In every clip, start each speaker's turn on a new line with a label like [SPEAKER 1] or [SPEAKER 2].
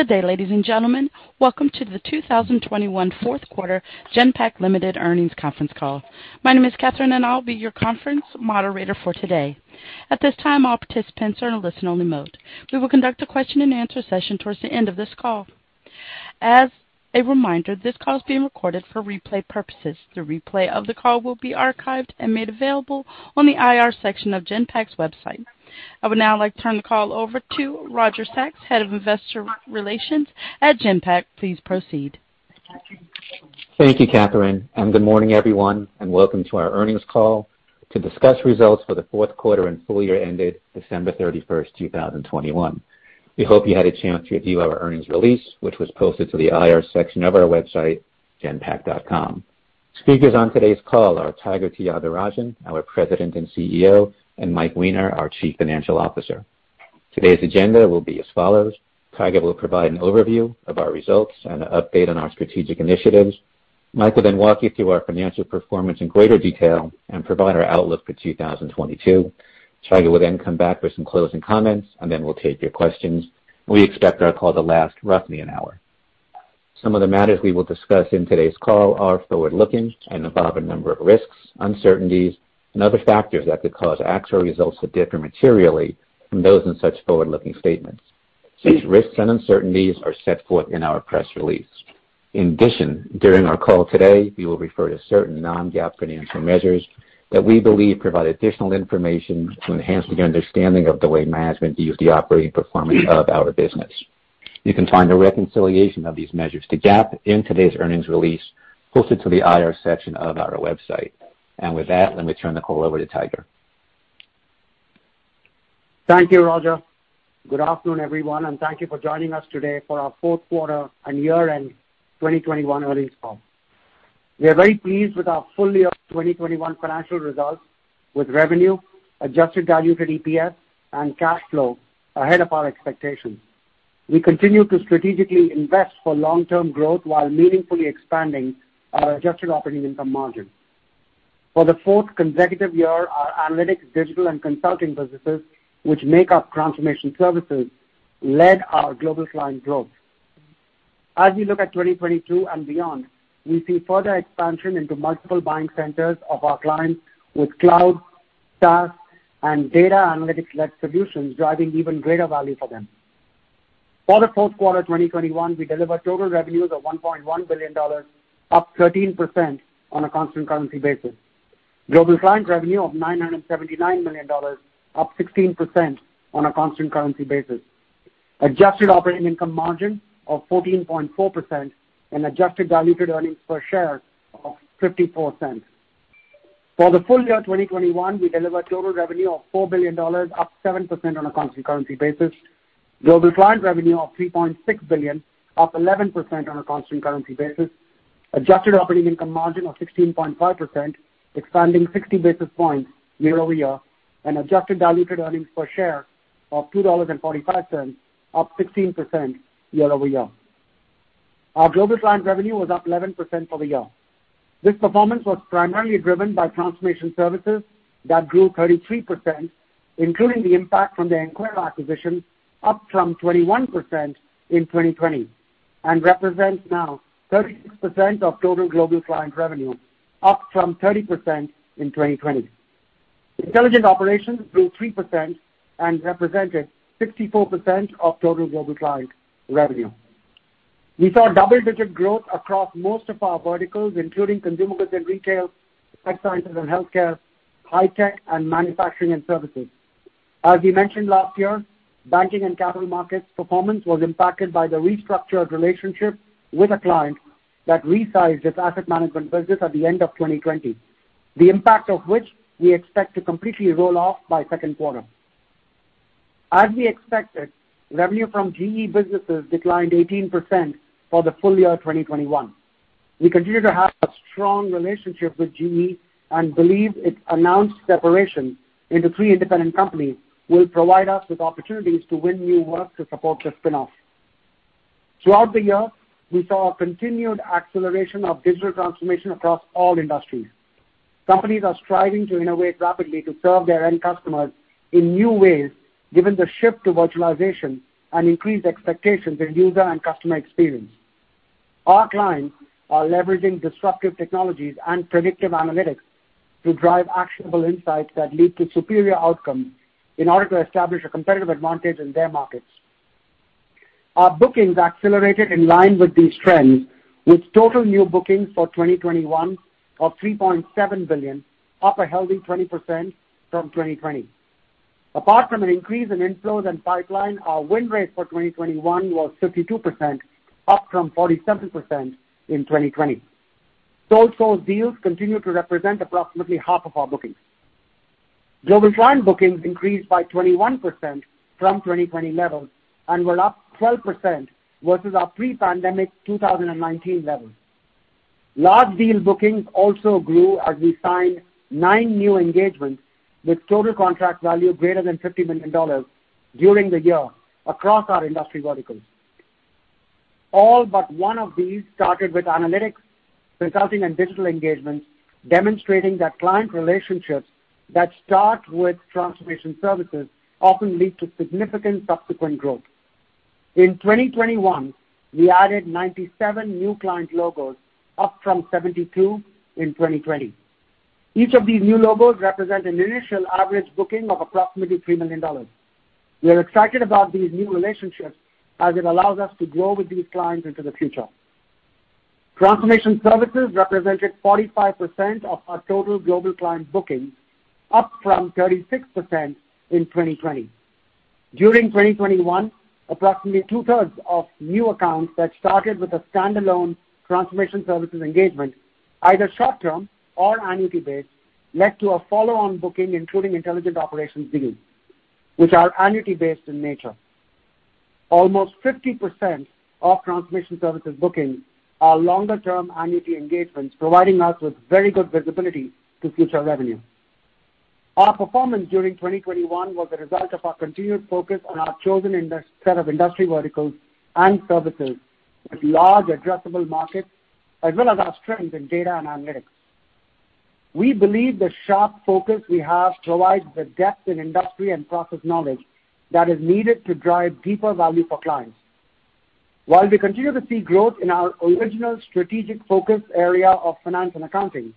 [SPEAKER 1] Good day, ladies and gentlemen. Welcome to the 2021 fourth quarter Genpact Limited earnings conference call. My name is Catherine, and I'll be your conference moderator for today. At this time, all participants are in a listen-only mode. We will conduct a question-and-answer session towards the end of this call. As a reminder, this call is being recorded for replay purposes. The replay of the call will be archived and made available on the IR section of Genpact's website. I would now like to turn the call over to Roger Sachs, Head of Investor Relations at Genpact. Please proceed.
[SPEAKER 2] Thank you, Catherine, and good morning, everyone, and welcome to our earnings call to discuss results for the fourth quarter and full year ended December 31st, 2021. We hope you had a chance to review our earnings release, which was posted to the IR section of our website, genpact.com. Speakers on today's call are Tiger Tyagarajan, our President and CEO, and Mike Weiner, our Chief Financial Officer. Today's agenda will be as follows. Tiger will provide an overview of our results and an update on our strategic initiatives. Mike will then walk you through our financial performance in greater detail and provide our outlook for 2022. Tiger will then come back with some closing comments, and then we'll take your questions. We expect our call to last roughly an hour. Some of the matters we will discuss in today's call are forward-looking and involve a number of risks, uncertainties, and other factors that could cause actual results to differ materially from those in such forward-looking statements. Such risks and uncertainties are set forth in our press release. In addition, during our call today, we will refer to certain non-GAAP financial measures that we believe provide additional information to enhance the understanding of the way management views the operating performance of our business. You can find a reconciliation of these measures to GAAP in today's earnings release posted to the IR section of our website. And with that, let me turn the call over to Tiger.
[SPEAKER 3] Thank you, Roger. Good afternoon, everyone, and thank you for joining us today for our fourth quarter and year-end 2021 earnings call. We are very pleased with our full year 2021 financial results with revenue, adjusted diluted EPS, and cash flow ahead of our expectations. We continue to strategically invest for long-term growth while meaningfully expanding our adjusted operating income margin. For the fourth consecutive year, our analytics, digital, and consulting businesses, which make up transformation services, led our global client growth. As we look at 2022 and beyond, we see further expansion into multiple buying centers of our clients with cloud, SaaS, and data analytics-led solutions driving even greater value for them. For the fourth quarter 2021, we delivered total revenues of $1.1 billion, up 13% on a constant currency basis. Global client revenue of $979 million, up 16% on a constant currency basis. Adjusted operating income margin of 14.4% and adjusted diluted earnings per share of $0.54. For the full year 2021, we delivered total revenue of $4 billion, up 7% on a constant currency basis. Global client revenue of $3.6 billion, up 11% on a constant currency basis. Adjusted operating income margin of 16.5%, expanding 60 basis points year-over-year, and adjusted diluted earnings per share of $2.45, up 16% year-over-year. Our global client revenue was up 11% for the year. This performance was primarily driven by transformation services that grew 33%, including the impact from the Enquero acquisition, up from 21% in 2020, and represents now 36% of total global client revenue, up from 30% in 2020. Intelligent operations grew 3% and represented 64% of total global client revenue. We saw double-digit growth across most of our verticals, including consumer goods and retail, life sciences and healthcare, high-tech, and manufacturing and services. As we mentioned last year, banking and capital markets performance was impacted by the restructured relationship with a client that resized its asset management business at the end of 2020. The impact of which we expect to completely roll off by second quarter. As we expected, revenue from GE businesses declined 18% for the full year 2021. We continue to have a strong relationship with GE and believe its announced separation into three independent companies will provide us with opportunities to win new work to support the spin-off. Throughout the year, we saw a continued acceleration of digital transformation across all industries. Companies are striving to innovate rapidly to serve their end customers in new ways, given the shift to virtualization and increased expectations in user and customer experience. Our clients are leveraging disruptive technologies and predictive analytics to drive actionable insights that lead to superior outcomes in order to establish a competitive advantage in their markets. Our bookings accelerated in line with these trends, with total new bookings for 2021 of $3.7 billion, up a healthy 20% from 2020. Apart from an increase in inflows and pipeline, our win rate for 2021 was 52%, up from 47% in 2020. Sold-sold deals continue to represent approximately half of our bookings. Global client bookings increased by 21% from 2020 levels and were up 12% versus our pre-pandemic 2019 levels. Large deal bookings also grew as we signed nine new engagements with total contract value greater than $50 million during the year across our industry verticals. All but one of these started with analytics, consulting, and digital engagements, demonstrating that client relationships that start with transformation services often lead to significant subsequent growth. In 2021, we added 97 new client logos, up from 72 in 2020. Each of these new logos represent an initial average booking of approximately $3 million. We are excited about these new relationships as it allows us to grow with these clients into the future. Transformation services represented 45% of our total global client bookings, up from 36% in 2020. During 2021, approximately 2/3 of new accounts that started with a standalone transformation services engagement, either short term or annuity-based, led to a follow-on booking, including intelligent operations deals, which are annuity based in nature. Almost 50% of transformation services bookings are longer term annuity engagements, providing us with very good visibility to future revenue. Our performance during 2021 was a result of our continued focus on our chosen set of industry verticals and services with large addressable markets, as well as our strength in data and analytics. We believe the sharp focus we have provides the depth in industry and process knowledge that is needed to drive deeper value for clients. While we continue to see growth in our original strategic focus area of finance and accounting,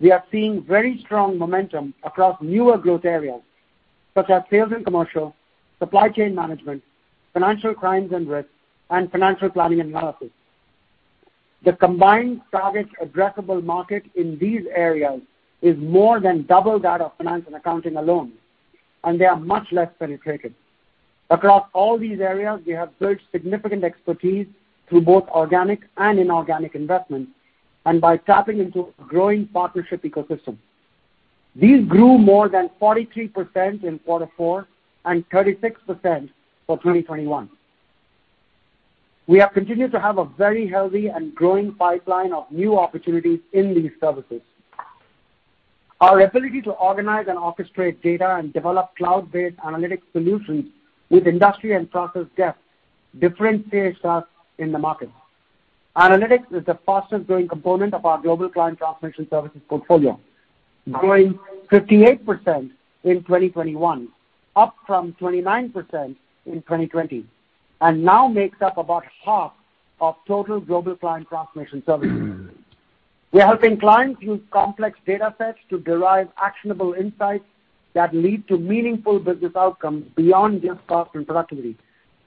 [SPEAKER 3] we are seeing very strong momentum across newer growth areas such as sales and commercial, supply chain management, financial crimes and risk, and financial planning analysis. The combined target addressable market in these areas is more than double that of finance and accounting alone, and they are much less penetrated. Across all these areas, we have built significant expertise through both organic and inorganic investments and by tapping into a growing partnership ecosystem. These grew more than 43% in quarter four and 36% for 2021. We have continued to have a very healthy and growing pipeline of new opportunities in these services. Our ability to organize and orchestrate data and develop cloud-based analytics solutions with industry and process depth differentiates us in the market. Analytics is the fastest growing component of our global client transformation services portfolio, growing 58% in 2021, up from 29% in 2020, and now makes up about half of total global client transformation services. We are helping clients use complex data sets to derive actionable insights that lead to meaningful business outcomes beyond just cost and productivity.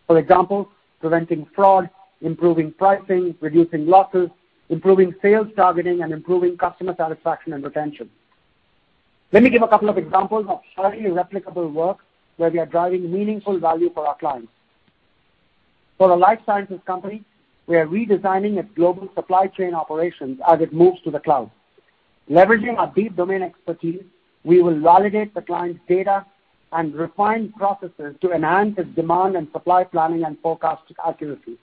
[SPEAKER 3] For example, preventing fraud, improving pricing, reducing losses, improving sales targeting, and improving customer satisfaction and retention. Let me give a couple of examples of highly replicable work where we are driving meaningful value for our clients. For a life sciences company, we are redesigning its global supply chain operations as it moves to the cloud. Leveraging our deep domain expertise, we will validate the client's data and refine processes to enhance his demand and supply planning and forecasting accuracy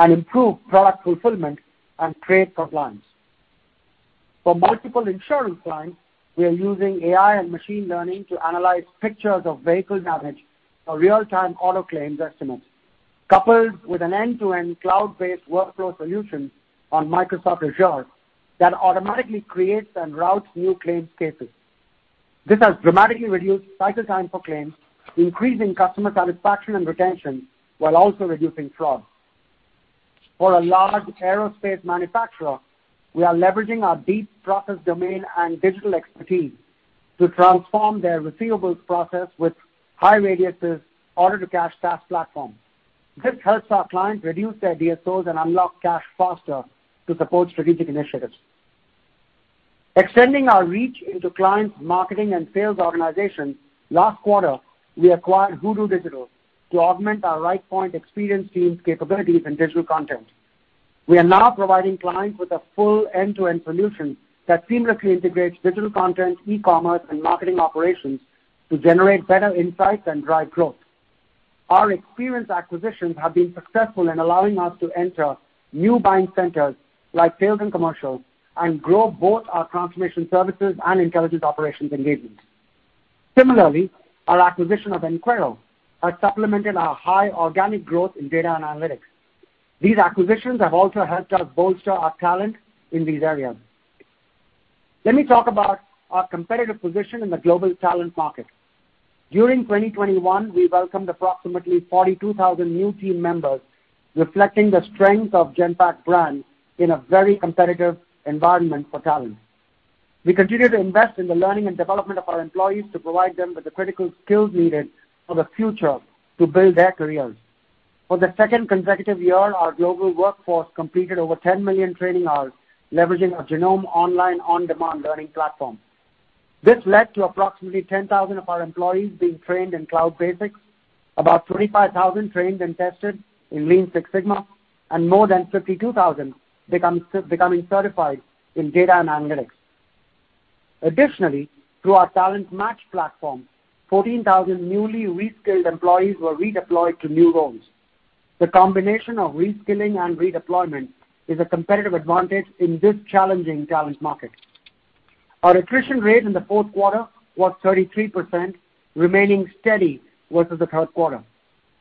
[SPEAKER 3] and improve product fulfillment and trade compliance. For multiple insurance clients, we are using AI and machine learning to analyze pictures of vehicle damage for real-time auto claims estimates, coupled with an end-to-end cloud-based workflow solution on Microsoft Azure that automatically creates and routes new claims cases. This has dramatically reduced cycle time for claims, increasing customer satisfaction and retention while also reducing fraud. For a large aerospace manufacturer, we are leveraging our deep process domain and digital expertise to transform their receivables process with HighRadius's order-to-cash SaaS platform. This helps our clients reduce their DSOs and unlock cash faster to support strategic initiatives. Extending our reach into clients' marketing and sales organizations, last quarter, we acquired Hoodoo Digital to augment our Rightpoint experience team's capabilities in digital content. We are now providing clients with a full end-to-end solution that seamlessly integrates digital content, e-commerce, and marketing operations to generate better insights and drive growth. Our experience acquisitions have been successful in allowing us to enter new buying centers like sales and commercial and grow both our transformation services and intelligent operations engagements. Similarly, our acquisition of Enquero has supplemented our high organic growth in data and analytics. These acquisitions have also helped us bolster our talent in these areas. Let me talk about our competitive position in the global talent market. During 2021, we welcomed approximately 42,000 new team members, reflecting the strength of Genpact brand in a very competitive environment for talent. We continue to invest in the learning and development of our employees to provide them with the critical skills needed for the future to build their careers. For the second consecutive year, our global workforce completed over 10 million training hours leveraging our Genome online on-demand learning platform. This led to approximately 10,000 of our employees being trained in cloud basics, about 25,000 trained and tested in Lean Six Sigma, and more than 52,000 becoming certified in data and analytics. Additionally, through our Talent Match platform, 14,000 newly reskilled employees were redeployed to new roles. The combination of reskilling and redeployment is a competitive advantage in this challenging talent market. Our attrition rate in the fourth quarter was 33%, remaining steady versus the third quarter.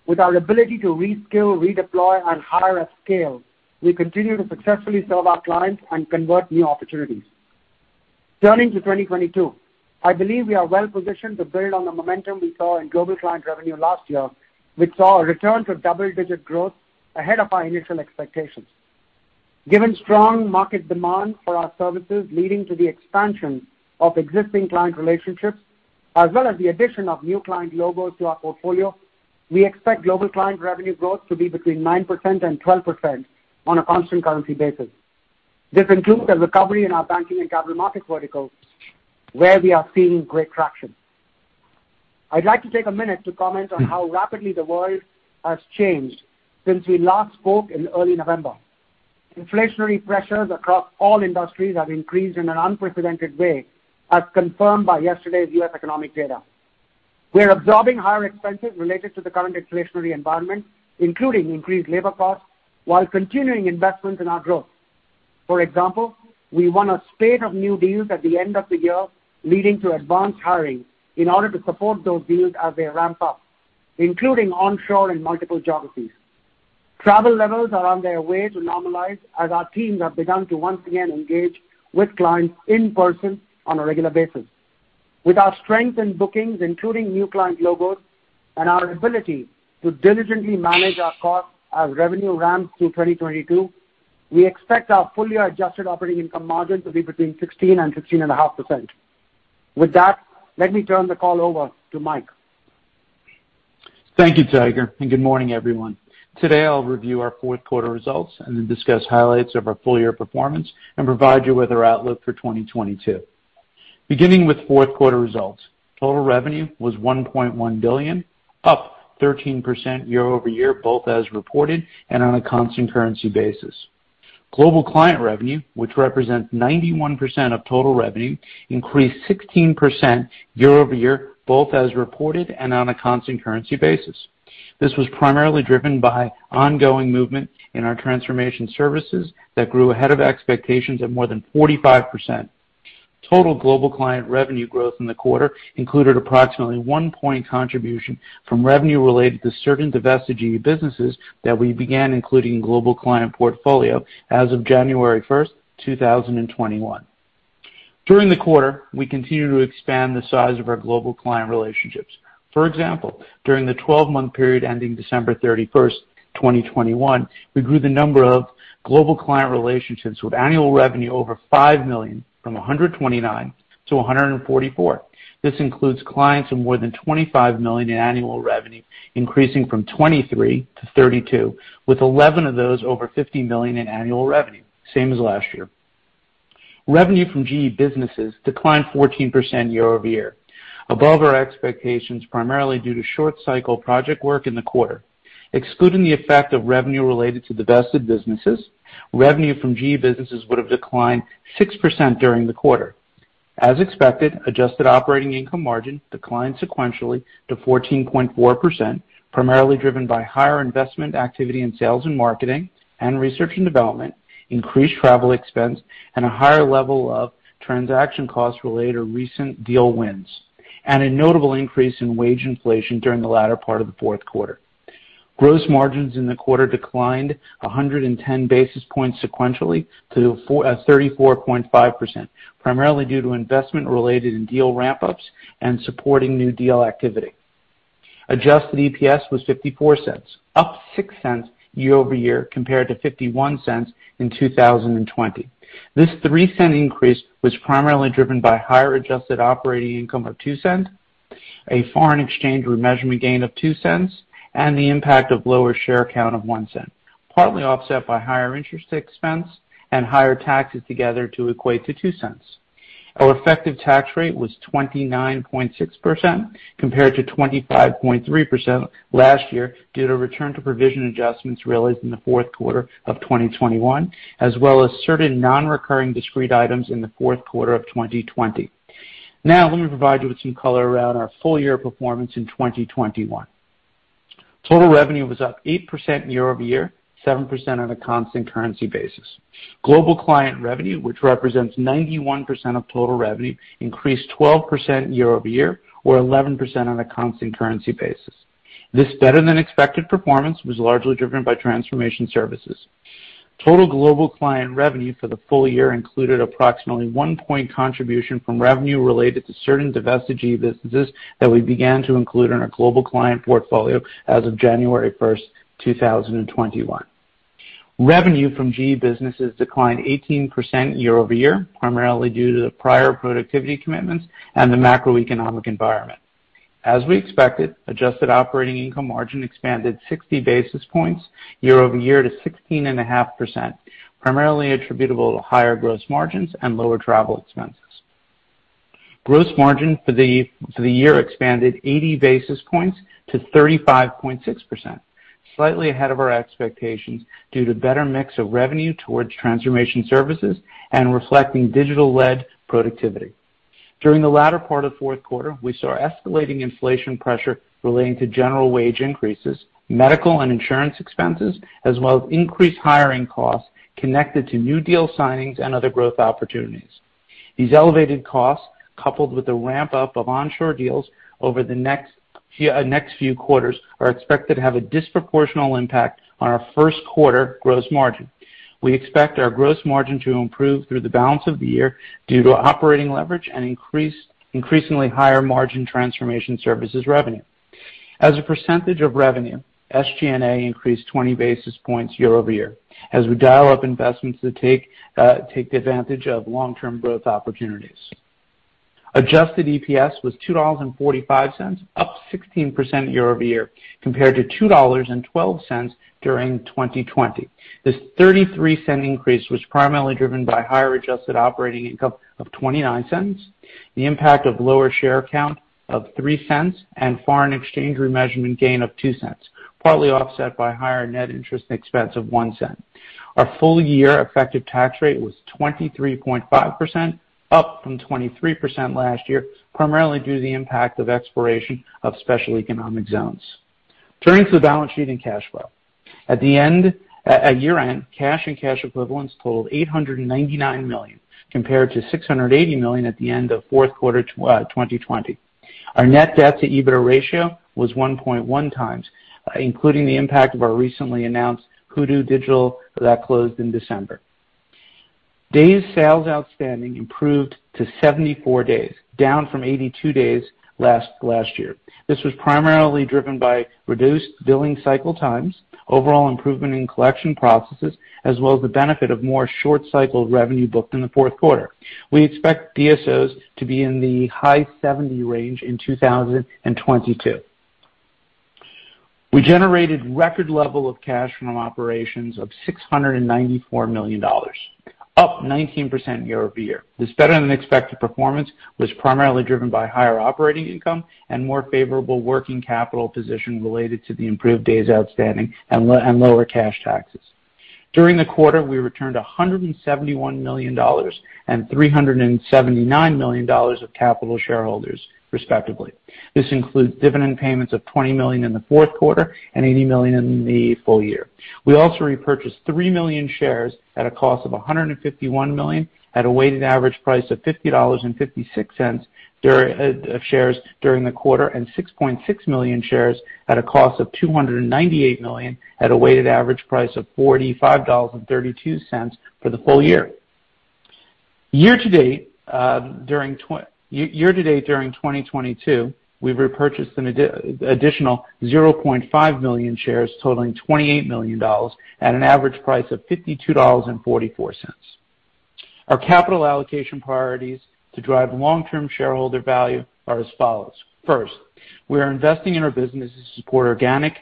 [SPEAKER 3] With our ability to reskill, redeploy, and hire at scale, we continue to successfully serve our clients and convert new opportunities. Turning to 2022, I believe we are well positioned to build on the momentum we saw in global client revenue last year, which saw a return to double-digit growth ahead of our initial expectations. Given strong market demand for our services leading to the expansion of existing client relationships, as well as the addition of new client logos to our portfolio, we expect global client revenue growth to be between 9% and 12% on a constant currency basis. This includes a recovery in our banking and capital markets vertical, where we are seeing great traction. I'd like to take a minute to comment on how rapidly the world has changed since we last spoke in early November. Inflationary pressures across all industries have increased in an unprecedented way, as confirmed by yesterday's U.S. economic data. We're absorbing higher expenses related to the current inflationary environment, including increased labor costs, while continuing investments in our growth. For example, we won a spate of new deals at the end of the year, leading to advanced hiring in order to support those deals as they ramp up, including onshore in multiple geographies. Travel levels are on their way to normalize as our teams have begun to once again engage with clients in person on a regular basis. With our strength in bookings, including new client logos, and our ability to diligently manage our costs as revenue ramps through 2022, we expect our fully adjusted operating income margin to be between 16% and 15.5%. With that, let me turn the call over to Mike.
[SPEAKER 4] Thank you, Tiger, and good morning, everyone. Today, I'll review our fourth quarter results and then discuss highlights of our full year performance and provide you with our outlook for 2022. Beginning with fourth quarter results. Total revenue was $1.1 billion, up 13% year-over-year, both as reported and on a constant currency basis. Global client revenue, which represents 91% of total revenue, increased 16% year-over-year, both as reported and on a constant currency basis. This was primarily driven by ongoing movement in our transformation services that grew ahead of expectations of more than 45%. Total global client revenue growth in the quarter included approximately one point contribution from revenue related to certain divested GE businesses that we began including global client portfolio as of January 1st, 2021. During the quarter, we continued to expand the size of our global client relationships. For example, during the 12-month period ending December 31st, 2021, we grew the number of global client relationships with annual revenue over $5 million from 129 to 144. This includes clients with more than $25 million in annual revenue, increasing from 23 to 32, with 11 of those over $50 million in annual revenue, same as last year. Revenue from GE Businesses declined 14% year-over-year, above our expectations, primarily due to short cycle project work in the quarter. Excluding the effect of revenue related to divested businesses, revenue from GE Businesses would have declined 6% during the quarter. As expected, adjusted operating income margin declined sequentially to 14.4%, primarily driven by higher investment activity in sales and marketing and research and development, increased travel expense, and a higher level of transaction costs related to recent deal wins, and a notable increase in wage inflation during the latter part of the fourth quarter. Gross margins in the quarter declined 110 basis points sequentially to 34.5%, primarily due to investments related to deal ramp-ups and supporting new deal activity. Adjusted EPS was $0.54, up $0.06 year over year compared to $0.51 in 2020. This $0.03 increase was primarily driven by higher adjusted operating income of $0.02, a foreign exchange remeasurement gain of $0.02, and the impact of lower share count of $0.01, partly offset by higher interest expense and higher taxes together to equate to $0.02. Our effective tax rate was 29.6% compared to 25.3% last year due to return to provision adjustments realized in the fourth quarter of 2021, as well as certain non-recurring discrete items in the fourth quarter of 2020. Now, let me provide you with some color around our full year performance in 2021. Total revenue was up 8% year-over-year, 7% on a constant currency basis. Global client revenue, which represents 91% of total revenue, increased 12% year-over-year or 11% on a constant currency basis. This better than expected performance was largely driven by transformation services. Total global client revenue for the full year included approximately 1% contribution from revenue related to certain divested GE businesses that we began to include in our global client portfolio as of January 1st, 2021. Revenue from GE Businesses declined 18% year-over-year, primarily due to the prior productivity commitments and the macroeconomic environment. As we expected, adjusted operating income margin expanded 60 basis points year-over-year to 16.5%, primarily attributable to higher gross margins and lower travel expenses. Gross margin for the year expanded 80 basis points to 35.6%, slightly ahead of our expectations due to better mix of revenue towards transformation services and reflecting digital-led productivity. During the latter part of fourth quarter, we saw escalating inflation pressure relating to general wage increases, medical and insurance expenses, as well as increased hiring costs connected to new deal signings and other growth opportunities. These elevated costs, coupled with the ramp-up of onshore deals over the next few quarters, are expected to have a disproportionate impact on our first quarter gross margin. We expect our gross margin to improve through the balance of the year due to operating leverage and increasingly higher margin transformation services revenue. As a percentage of revenue, SG&A increased 20 basis points year-over-year as we dial up investments to take advantage of long-term growth opportunities. Adjusted EPS was $2.45, up 16% year-over-year compared to $2.12 during 2020. This 33-cent increase was primarily driven by higher adjusted operating income of $0.29, the impact of lower share count of $0.03, and foreign exchange remeasurement gain of $0.02, partly offset by higher net interest expense of $0.01. Our full-year effective tax rate was 23.5%, up from 23% last year, primarily due to the impact of expiration of special economic zones. Turning to the balance sheet and cash flow. Year-end, cash and cash equivalents totaled $899 million, compared to $680 million at the end of fourth quarter 2020. Our net debt to EBITDA ratio was 1.1x, including the impact of our recently announced Hoodoo Digital that closed in December. Days sales outstanding improved to 74 days, down from 82 days last year. This was primarily driven by reduced billing cycle times, overall improvement in collection processes, as well as the benefit of more short-cycled revenue booked in the fourth quarter. We expect DSOs to be in the high 70 range in 2022. We generated record level of cash from operations of $694 million, up 19% year-over-year. This better-than-expected performance was primarily driven by higher operating income and more favorable working capital position related to the improved days outstanding and lower cash taxes. During the quarter, we returned $171 million and $379 million of capital to shareholders, respectively. This includes dividend payments of $20 million in the fourth quarter and $80 million in the full year. We also repurchased 3 million shares at a cost of $151 million at a weighted average price of $50.56 during the quarter, and 6.6 million shares at a cost of $298 million at a weighted average price of $45.32 for the full year. Year to date during 2022, we've repurchased an additional 0.5 million shares totaling $28 million at an average price of $52.44. Our capital allocation priorities to drive long-term shareholder value are as follows. First, we are investing in our business to support organic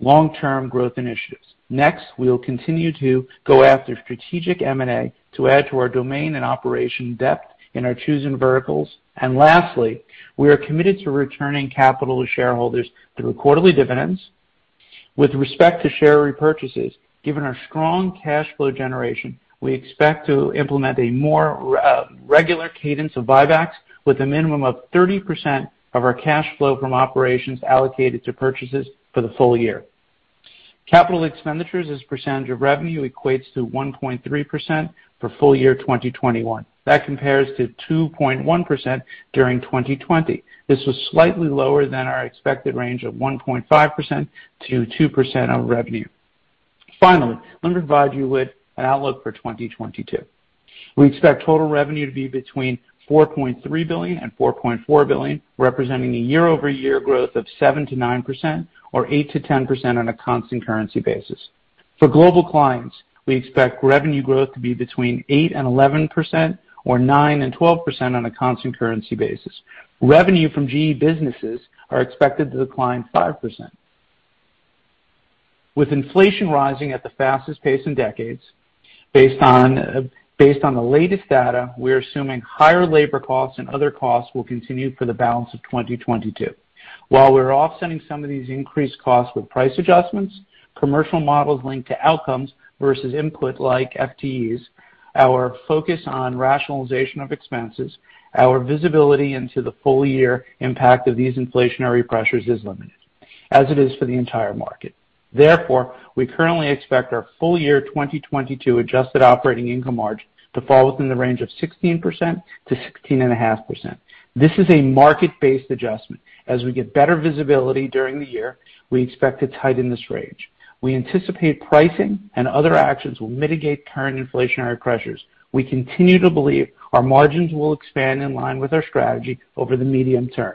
[SPEAKER 4] long-term growth initiatives. Next, we will continue to go after strategic M&A to add to our domain and operation depth in our chosen verticals. Lastly, we are committed to returning capital to shareholders through quarterly dividends. With respect to share repurchases, given our strong cash flow generation, we expect to implement a more regular cadence of buybacks with a minimum of 30% of our cash flow from operations allocated to purchases for the full year. Capital expenditures as a percentage of revenue equates to 1.3% for full year 2021. That compares to 2.1% during 2020. This was slightly lower than our expected range of 1.5%-2% of revenue. Finally, let me provide you with an outlook for 2022. We expect total revenue to be between $4.3 billion and $4.4 billion, representing a year-over-year growth of 7%-9% or 8%-10% on a constant currency basis. For global clients, we expect revenue growth to be between 8%-11% or 9%-12% on a constant currency basis. Revenue from GE businesses are expected to decline 5%. With inflation rising at the fastest pace in decades, based on the latest data, we are assuming higher labor costs and other costs will continue for the balance of 2022. While we're offsetting some of these increased costs with price adjustments, commercial models linked to outcomes versus input like FTEs, our focus on rationalization of expenses, our visibility into the full year impact of these inflationary pressures is limited, as it is for the entire market. Therefore, we currently expect our full year 2022 adjusted operating income margin to fall within the range of 16%-16.5%. This is a market-based adjustment. As we get better visibility during the year, we expect to tighten this range. We anticipate pricing and other actions will mitigate current inflationary pressures. We continue to believe our margins will expand in line with our strategy over the medium term.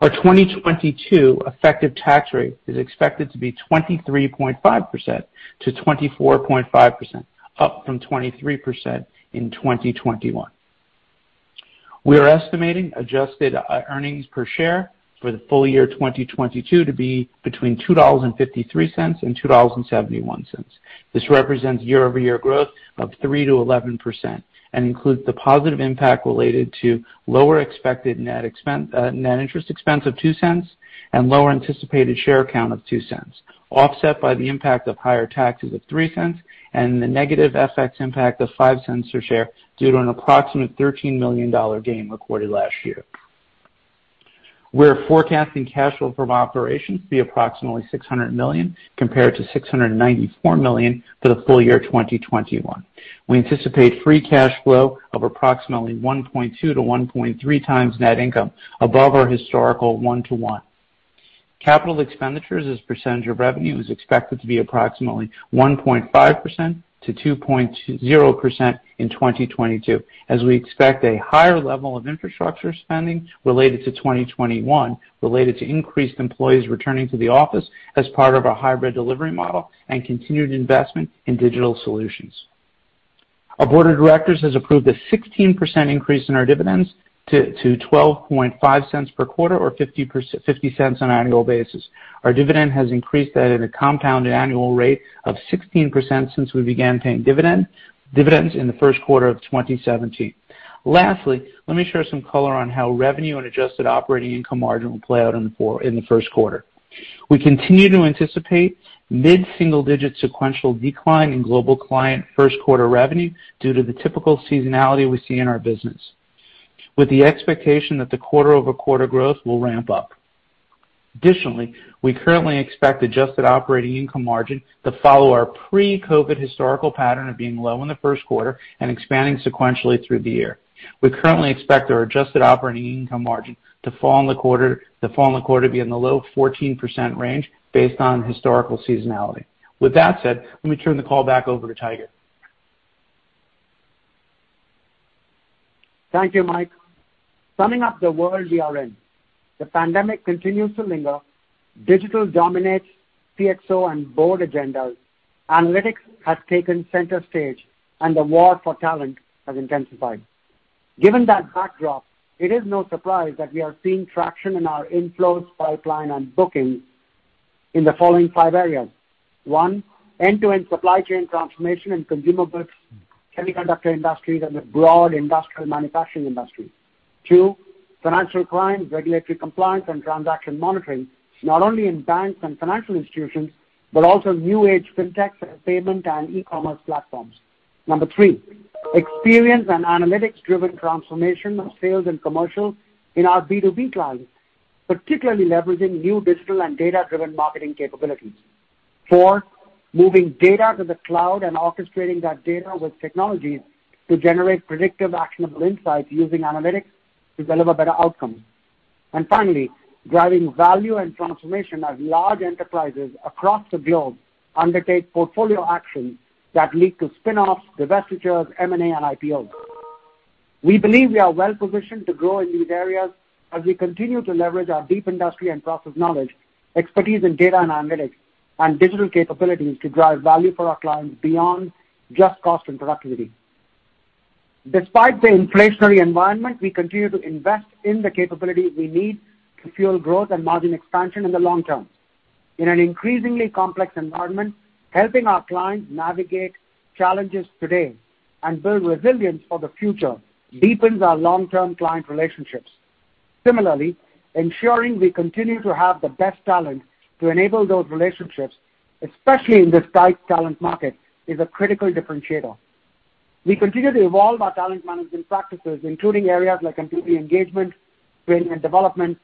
[SPEAKER 4] Our 2022 effective tax rate is expected to be 23.5%-24.5%, up from 23% in 2021. We are estimating adjusted earnings per share for the full year 2022 to be between $2.53 and $2.71. This represents year-over-year growth of 3%-11% and includes the positive impact related to lower expected net interest expense of $0.02 and lower anticipated share count of $0.02, offset by the impact of higher taxes of $0.03 and the negative FX impact of $0.05 per share due to an approximate $13 million gain recorded last year. We're forecasting cash flow from operations to be approximately $600 million compared to $694 million for the full year 2021. We anticipate free cash flow of approximately 1.2-1.3 times net income above our historical 1-1. Capital expenditures as a percentage of revenue is expected to be approximately 1.5%-2.0% in 2022, as we expect a higher level of infrastructure spending related to 2021 and increased employees returning to the office as part of our hybrid delivery model and continued investment in digital solutions. Our board of directors has approved a 16% increase in our dividends to $0.125 per quarter or $0.50 on an annual basis. Our dividend has increased at a compounded annual rate of 16% since we began paying dividends in the first quarter of 2017. Lastly, let me share some color on how revenue and adjusted operating income margin will play out in the first quarter. We continue to anticipate mid-single-digit sequential decline in global client first-quarter revenue due to the typical seasonality we see in our business, with the expectation that the quarter-over-quarter growth will ramp up. Additionally, we currently expect adjusted operating income margin to follow our pre-COVID historical pattern of being low in the first quarter and expanding sequentially through the year. We currently expect our adjusted operating income margin to fall in the quarter be in the low 14% range based on historical seasonality. With that said, let me turn the call back over to Tiger.
[SPEAKER 3] Thank you, Mike. Summing up the world we are in, the pandemic continues to linger, digital dominates CXO and board agendas, analytics has taken center stage, and the war for talent has intensified. Given that backdrop, it is no surprise that we are seeing traction in our inflows, pipeline, and bookings in the following five areas. One, end-to-end supply chain transformation and consumer goods, semiconductor industries, and the broad industrial manufacturing industry. Two, financial crime, regulatory compliance, and transaction monitoring, not only in banks and financial institutions, but also new age fintechs and payment and e-commerce platforms. Number three, experience and analytics-driven transformation of sales and commercial in our B2B clients, particularly leveraging new digital and data-driven marketing capabilities. Four, moving data to the cloud and orchestrating that data with technologies to generate predictive, actionable insights using analytics to deliver better outcomes. Finally, driving value and transformation as large enterprises across the globe undertake portfolio actions that lead to spinoffs, divestitures, M&A, and IPOs. We believe we are well positioned to grow in these areas as we continue to leverage our deep industry and process knowledge, expertise in data and analytics, and digital capabilities to drive value for our clients beyond just cost and productivity. Despite the inflationary environment, we continue to invest in the capabilities we need to fuel growth and margin expansion in the long term. In an increasingly complex environment, helping our clients navigate challenges today and build resilience for the future deepens our long-term client relationships. Similarly, ensuring we continue to have the best talent to enable those relationships, especially in this tight talent market, is a critical differentiator. We continue to evolve our talent management practices, including areas like employee engagement, training and development,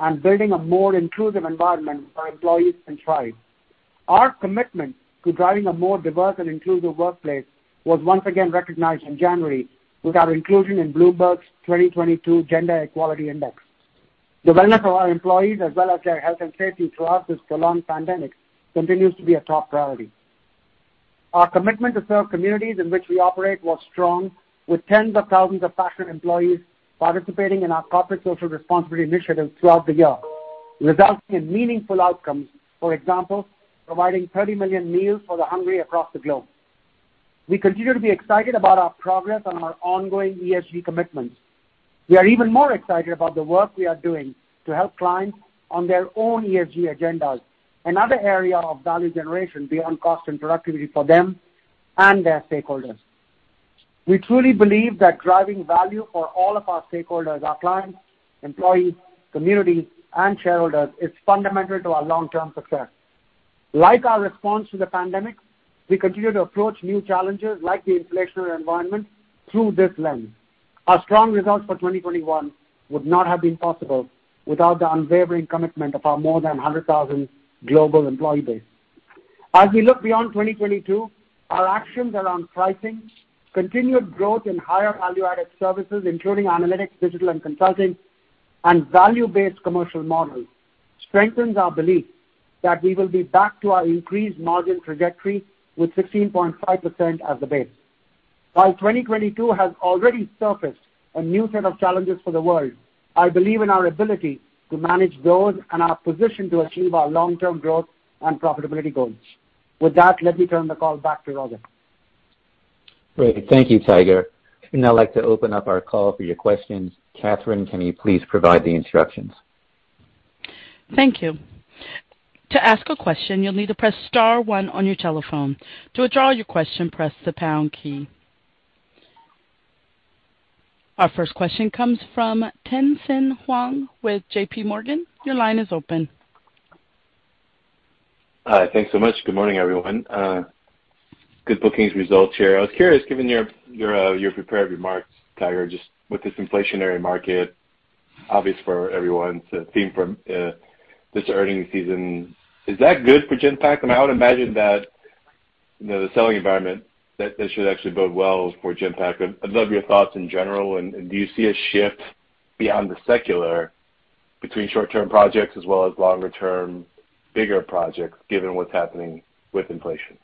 [SPEAKER 3] and building a more inclusive environment for employees and tribes. Our commitment to driving a more diverse and inclusive workplace was once again recognized in January with our inclusion in Bloomberg's 2022 Gender-Equality Index. The wellness of our employees as well as their health and safety throughout this prolonged pandemic continues to be a top priority. Our commitment to serve communities in which we operate was strong, with tens of thousands of passionate employees participating in our corporate social responsibility initiatives throughout the year, resulting in meaningful outcomes, for example, providing 30 million meals for the hungry across the globe. We continue to be excited about our progress on our ongoing ESG commitments. We are even more excited about the work we are doing to help clients on their own ESG agendas, another area of value generation beyond cost and productivity for them and their stakeholders. We truly believe that driving value for all of our stakeholders, our clients, employees, communities, and shareholders is fundamental to our long-term success. Like our response to the pandemic, we continue to approach new challenges like the inflationary environment through this lens. Our strong results for 2021 would not have been possible without the unwavering commitment of our more than 100,000 global employee base. As we look beyond 2022, our actions around pricing, continued growth in higher value-added services, including analytics, digital and consulting, and value-based commercial models strengthens our belief that we will be back to our increased margin trajectory with 16.5% as the base. While 2022 has already surfaced a new set of challenges for the world, I believe in our ability to manage those and our position to achieve our long-term growth and profitability goals. With that, let me turn the call back to Roger.
[SPEAKER 2] Great. Thank you, Tiger. We'd now like to open up our call for your questions. Catherine, can you please provide the instructions?
[SPEAKER 1] Thank you. To ask a question, you'll need to press star one on your telephone. To withdraw your question, press the pound key. Our first question comes from Tien-Tsin Huang with JPMorgan. Your line is open.
[SPEAKER 5] Hi. Thanks so much. Good morning, everyone. Good bookings results here. I was curious, given your prepared remarks, Tiger, just with this inflationary market obviously for everyone, it's a theme from this earnings season. Is that good for Genpact? I mean, I would imagine that, you know, the selling environment, that should actually bode well for Genpact. I'd love your thoughts in general, and do you see a shift beyond the secular between short-term projects as well as longer term, bigger projects given what's happening with inflation?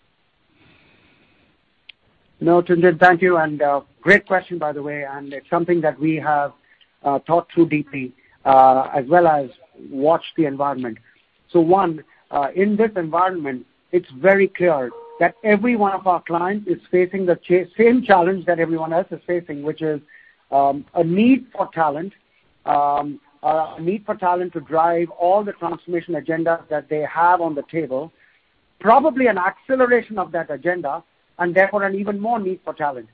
[SPEAKER 3] No, Tien-tsin, thank you, and great question by the way, and it's something that we have thought through deeply, as well as watched the environment. One, in this environment, it's very clear that every one of our clients is facing the same challenge that everyone else is facing, which is a need for talent. A need for talent to drive all the transformation agenda that they have on the table. Probably an acceleration of that agenda, and therefore an even more need for talent.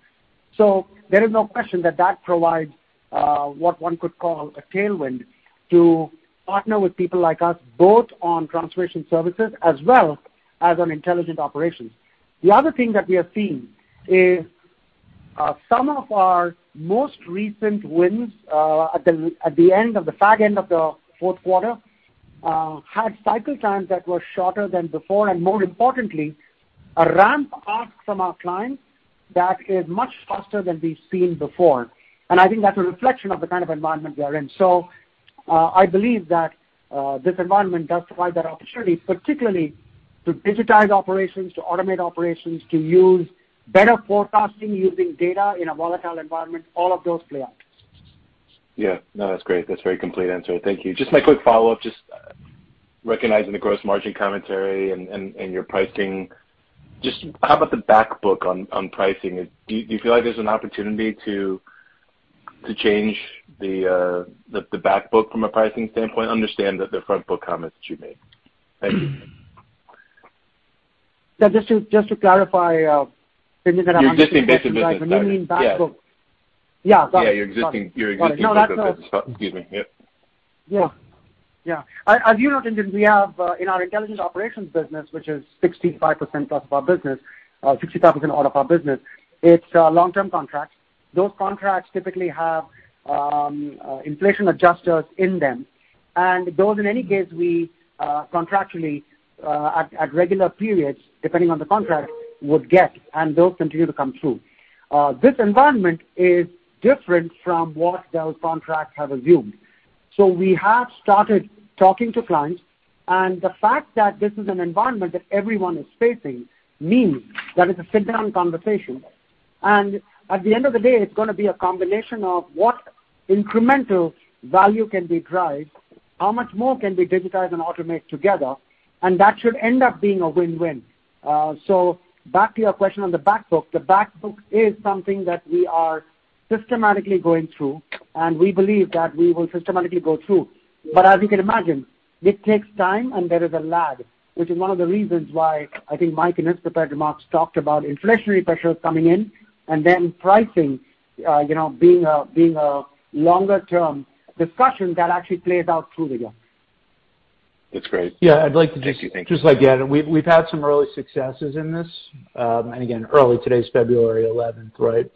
[SPEAKER 3] There is no question that that provides what one could call a tailwind to partner with people like us, both on transformation services as well as on intelligent operations. The other thing that we are seeing is some of our most recent wins at the end of the back end of the fourth quarter had cycle times that were shorter than before, and more importantly, a ramp ask from our clients that is much faster than we've seen before. I think that's a reflection of the kind of environment we are in. I believe that this environment does provide that opportunity, particularly to digitize operations, to automate operations, to use better forecasting using data in a volatile environment, all of those play out.
[SPEAKER 5] Yeah. No, that's great. That's a very complete answer. Thank you. Just my quick follow-up, just recognizing the gross margin commentary and your pricing, just how about the back book on pricing? Do you feel like there's an opportunity to change the back book from a pricing standpoint? Understand that there are front book comments that you made. Thank you.
[SPEAKER 3] Yeah, just to clarify, Tien-Tsin that-
[SPEAKER 5] Your existing business, right. What do you mean, back book?
[SPEAKER 3] Yeah. Sorry.
[SPEAKER 5] Yeah, your existing business.
[SPEAKER 3] No, that's not.
[SPEAKER 5] Excuse me. Yeah.
[SPEAKER 3] Yeah. As you know, Tien-Tsin, we have in our intelligent operations business, which is 65%+ of our business, long-term contracts. Those contracts typically have inflation adjusters in them. Those, in any case, we contractually at regular periods, depending on the contract, would get, and those continue to come through. This environment is different from what those contracts have assumed. We have started talking to clients, and the fact that this is an environment that everyone is facing means that it's a sit-down conversation. At the end of the day, it's gonna be a combination of what incremental value can be derived, how much more can we digitize and automate together, and that should end up being a win-win. Back to your question on the back book. The back book is something that we are systematically going through, and we believe that we will systematically go through. As you can imagine, this takes time, and there is a lag, which is one of the reasons why I think Mike, in his prepared remarks, talked about inflationary pressures coming in and then pricing, you know, being a longer term discussion that actually plays out through the year.
[SPEAKER 5] That's great.
[SPEAKER 4] Yeah, I'd like to just.
[SPEAKER 5] Thank you.
[SPEAKER 4] Just like, yeah, we've had some early successes in this. Again, early, today's February 11th, right?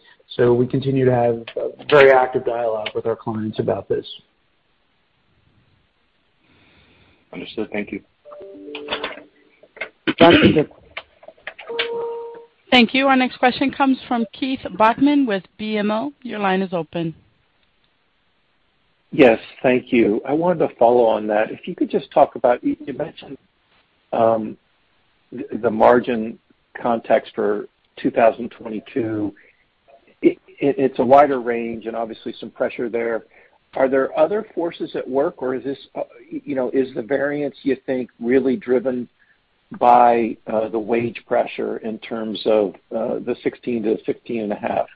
[SPEAKER 4] We continue to have a very active dialogue with our clients about this.
[SPEAKER 5] Understood. Thank you.
[SPEAKER 3] Thanks, Tien-Tsin.
[SPEAKER 1] Thank you. Our next question comes from Keith Bachman with BMO. Your line is open.
[SPEAKER 6] Yes. Thank you. I wanted to follow on that. If you could just talk about you mentioned the margin context for 2022. It's a wider range and obviously some pressure there. Are there other forces at work, or is this you know is the variance you think really driven by the wage pressure in terms of the 16%-15.5%?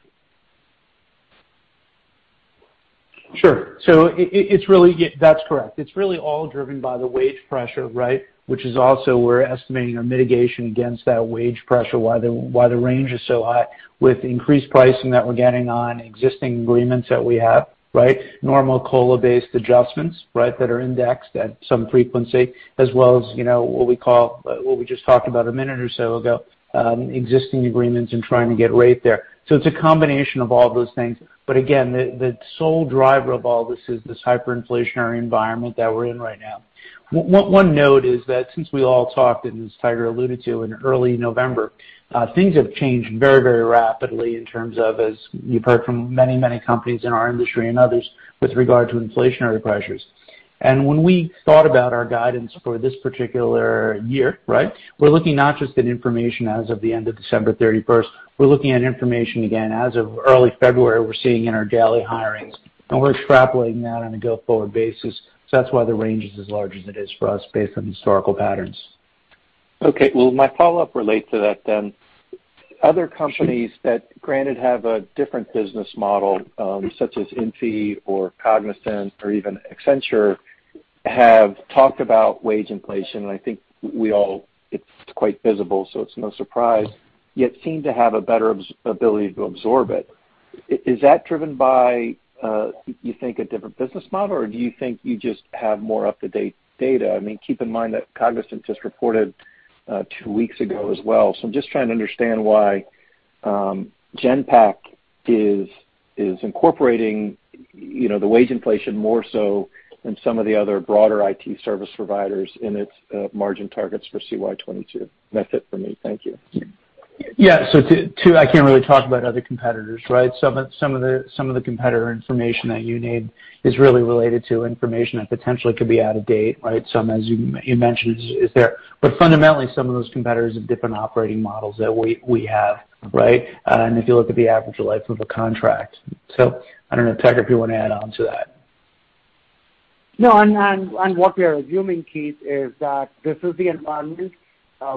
[SPEAKER 4] Sure. Yeah, that's correct. It's really all driven by the wage pressure, right? Which is also we're estimating our mitigation against that wage pressure, why the range is so high with increased pricing that we're getting on existing agreements that we have, right? Normal COLA-based adjustments, right, that are indexed at some frequency as well as what we call what we just talked about a minute or so ago, existing agreements and trying to get rate there. It's a combination of all those things. Again, the sole driver of all this is this hyperinflationary environment that we're in right now. One note is that since we all talked, and as Tiger alluded to, in early November, things have changed very, very rapidly in terms of, as you've heard from many, many companies in our industry and others with regard to inflationary pressures. When we thought about our guidance for this particular year, right, we're looking not just at information as of the end of December 31st, we're looking at information again as of early February. We're seeing in our daily hirings, and we're extrapolating that on a go-forward basis. That's why the range is as large as it is for us based on historical patterns.
[SPEAKER 6] Okay. Well, my follow-up relates to that then. Other companies that granted have a different business model, such as Infy or Cognizant or even Accenture, have talked about wage inflation. I think we all, it's quite visible, so it's no surprise, yet seem to have a better ability to absorb it. Is that driven by, you think, a different business model, or do you think you just have more up-to-date data? I mean, keep in mind that Cognizant just reported two weeks ago as well. I'm just trying to understand why Genpact is incorporating, you know, the wage inflation more so than some of the other broader IT service providers in its margin targets for CY 2022. That's it for me. Thank you.
[SPEAKER 4] Yeah. I can't really talk about other competitors, right? Some of the competitor information that you need is really related to information that potentially could be out of date, right? Some, as you mentioned, is there. But fundamentally, some of those competitors have different operating models than we have, right? If you look at the average life of a contract. I don't know, Tiger, if you wanna add on to that.
[SPEAKER 3] No. What we are assuming, Keith, is that this is the environment.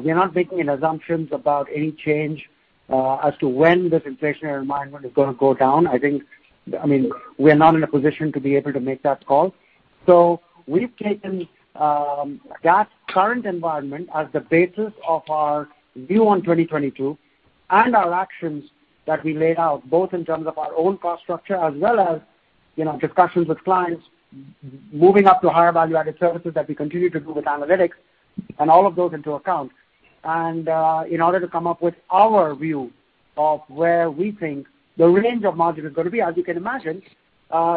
[SPEAKER 3] We are not making any assumptions about any change as to when this inflationary environment is gonna go down. I think, I mean, we are not in a position to be able to make that call. We've taken that current environment as the basis of our view on 2022 and our actions that we laid out, both in terms of our own cost structure as well as, you know, discussions with clients moving up to higher value-added services that we continue to do with analytics and all of those into account. In order to come up with our view of where we think the range of margin is gonna be, as you can imagine,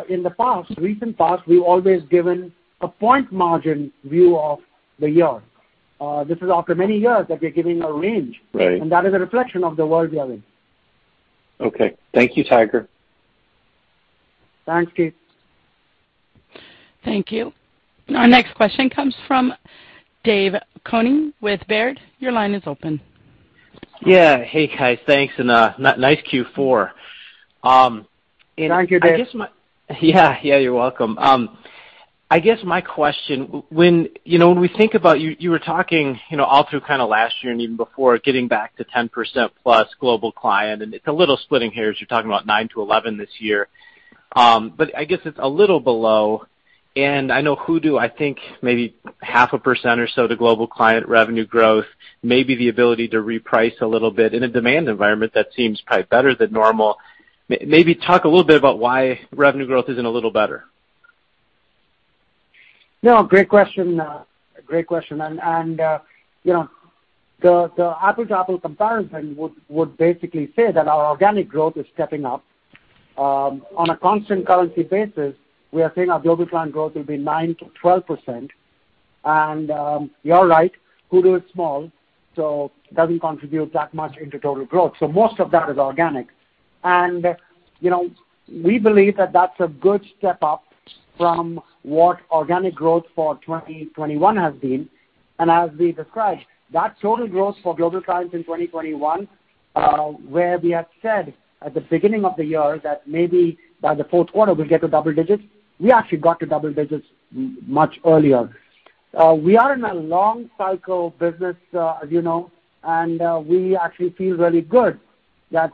[SPEAKER 3] in the past, recent past, we've always given a point margin view of the year. This is after many years that we're giving a range.
[SPEAKER 6] Right.
[SPEAKER 3] That is a reflection of the world we are in.
[SPEAKER 6] Okay. Thank you, Tiger.
[SPEAKER 3] Thanks, Keith.
[SPEAKER 1] Thank you. Our next question comes from Dave Koning with Baird. Your line is open.
[SPEAKER 7] Yeah. Hey, guys. Thanks. Nice Q4. I guess my.
[SPEAKER 3] Thank you, Dave.
[SPEAKER 7] Yeah. Yeah, you're welcome. I guess my question, when, you know, when we think about you were talking, you know, all through kinda last year and even before, getting back to 10% plus global client, and it's a little splitting here as you're talking about 9%-11% this year. But I guess it's a little below, and I know Hoodoo, I think, maybe 0.5% or so to global client revenue growth, maybe the ability to reprice a little bit in a demand environment that seems probably better than normal. Maybe talk a little bit about why revenue growth isn't a little better.
[SPEAKER 3] No, great question. You know, the apple to apple comparison would basically say that our organic growth is stepping up. On a constant currency basis, we are saying our global client growth will be 9%-12%. You're right, Hoodoo is small, so doesn't contribute that much into total growth. So most of that is organic. You know, we believe that that's a good step up from what organic growth for 2021 has been. As we described, that total growth for global clients in 2021, where we have said at the beginning of the year that maybe by the fourth quarter we'll get to double digits, we actually got to double digits much earlier. We are in a long cycle business, as you know, and we actually feel really good that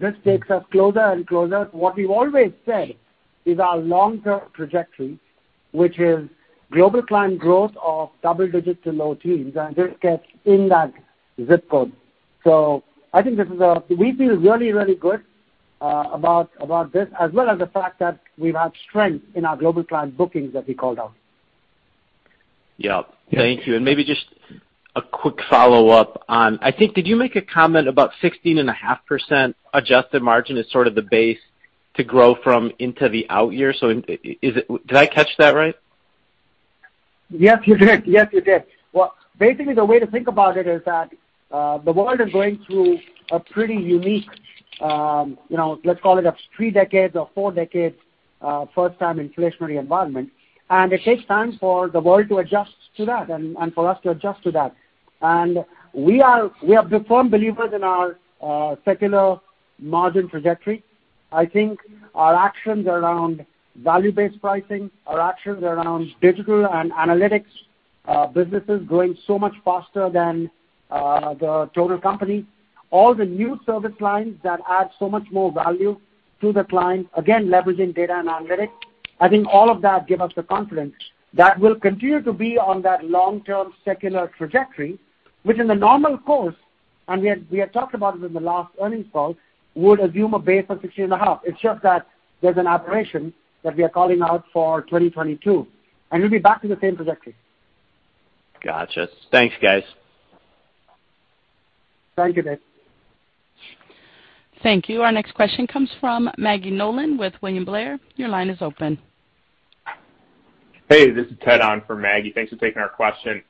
[SPEAKER 3] this takes us closer and closer to what we've always said is our long-term trajectory, which is global client growth of double-digit to low teens, and this gets in that zip code. I think we feel really, really good about this, as well as the fact that we've had strength in our global client bookings that we called out.
[SPEAKER 7] Yeah. Thank you. Maybe just a quick follow-up on, I think, did you make a comment about 16.5% adjusted margin is sort of the base to grow from into the out year? Is it? Did I catch that right?
[SPEAKER 3] Yes, you did. Well, basically the way to think about it is that, the world is going through a pretty unique, you know, let's call it a 3-decade or 4-decade, first time inflationary environment. It takes time for the world to adjust to that and for us to adjust to that. We are firm believers in our secular margin trajectory. I think our actions around value-based pricing, our actions around digital and analytics, businesses growing so much faster than the total company, all the new service lines that add so much more value to the client, again, leveraging data and analytics, I think all of that give us the confidence that we'll continue to be on that long-term secular trajectory, which in the normal course, and we had talked about it in the last earnings call, would assume a base of 16.5. It's just that there's an aberration that we are calling out for 2022, and we'll be back to the same trajectory.
[SPEAKER 7] Gotcha. Thanks, guys.
[SPEAKER 3] Thank you, Dave.
[SPEAKER 1] Thank you. Our next question comes from Maggie Nolan with William Blair. Your line is open.
[SPEAKER 8] Hey, this is Ted on for Maggie. Thanks for taking our question.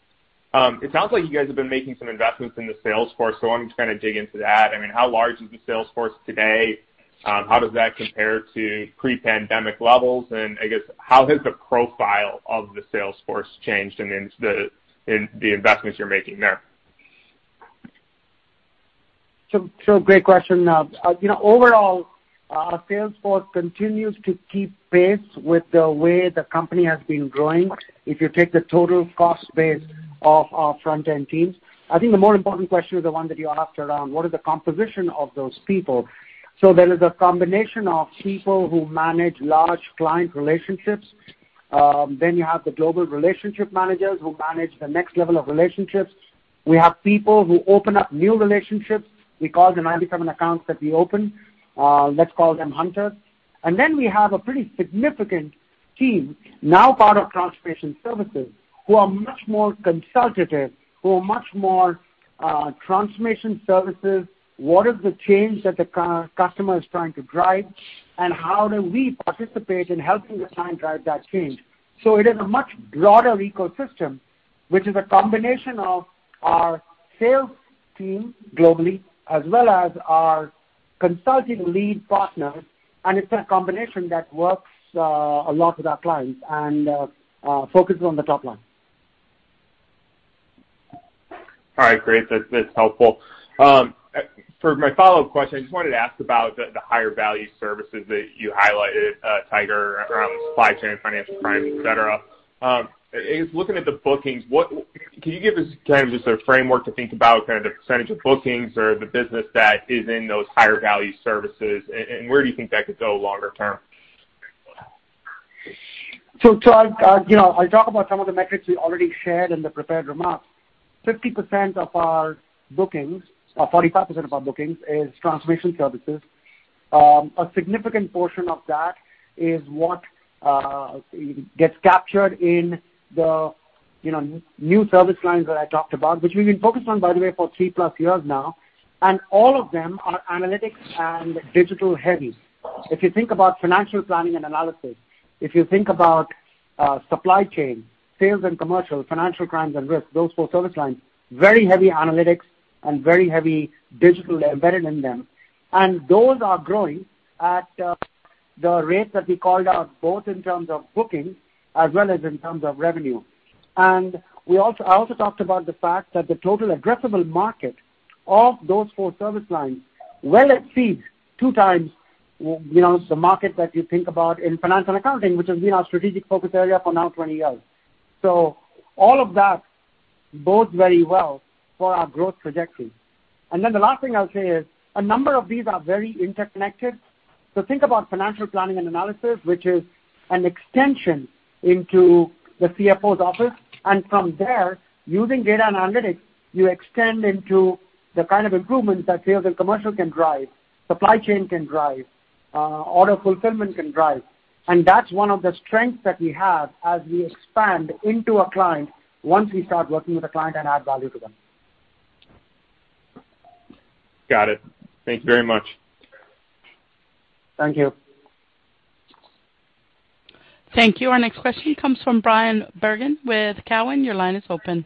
[SPEAKER 8] It sounds like you guys have been making some investments in the sales force, so I'm just gonna dig into that. I mean, how large is the sales force today? How does that compare to pre-pandemic levels? I guess how has the profile of the sales force changed in the investments you're making there?
[SPEAKER 3] Great question. You know, overall, our sales force continues to keep pace with the way the company has been growing. If you take the total cost base of our front end teams, I think the more important question is the one that you asked around what is the composition of those people. There is a combination of people who manage large client relationships, then you have the global relationship managers who manage the next level of relationships. We have people who open up new relationships. We call them 97 accounts that we open, let's call them hunters. We have a pretty significant team, now part of transformation services, who are much more consultative, who are much more transformation services. What is the change that the customer is trying to drive, and how do we participate in helping the client drive that change? It is a much broader ecosystem, which is a combination of our sales team globally as well as our consulting lead partners, and it's a combination that works a lot with our clients and focuses on the top line.
[SPEAKER 8] All right, great. That, that's helpful. For my follow-up question, I just wanted to ask about the higher value services that you highlighted, Tiger, around supply chain, financial crimes, et cetera. Looking at the bookings, what can you give us kind of just a framework to think about kind of the percentage of bookings or the business that is in those higher value services, and where do you think that could go longer term?
[SPEAKER 3] I'll talk about some of the metrics we already shared in the prepared remarks. 50% of our bookings, or 45% of our bookings is transformation services. A significant portion of that is what gets captured in the, you know, new service lines that I talked about, which we've been focused on, by the way, for three-plus years now, and all of them are analytics and digital heavy. If you think about financial planning and analysis, if you think about supply chain, sales and commercial, financial crimes and risk, those four service lines, very heavy analytics and very heavy digital embedded in them. Those are growing at the rates that we called out, both in terms of bookings as well as in terms of revenue. I also talked about the fact that the total addressable market of those four service lines well exceeds two times, you know, the market that you think about in financial accounting, which has been our strategic focus area for now 20 years. All of that bodes very well for our growth trajectory. The last thing I'll say is a number of these are very interconnected. Think about financial planning and analysis, which is an extension into the CFO's office, and from there, using data and analytics, you extend into the kind of improvements that sales and commercial can drive, supply chain can drive, order fulfillment can drive. That's one of the strengths that we have as we expand into a client once we start working with a client and add value to them.
[SPEAKER 8] Got it. Thank you very much.
[SPEAKER 3] Thank you.
[SPEAKER 1] Thank you. Our next question comes from Bryan Bergin with Cowen. Your line is open.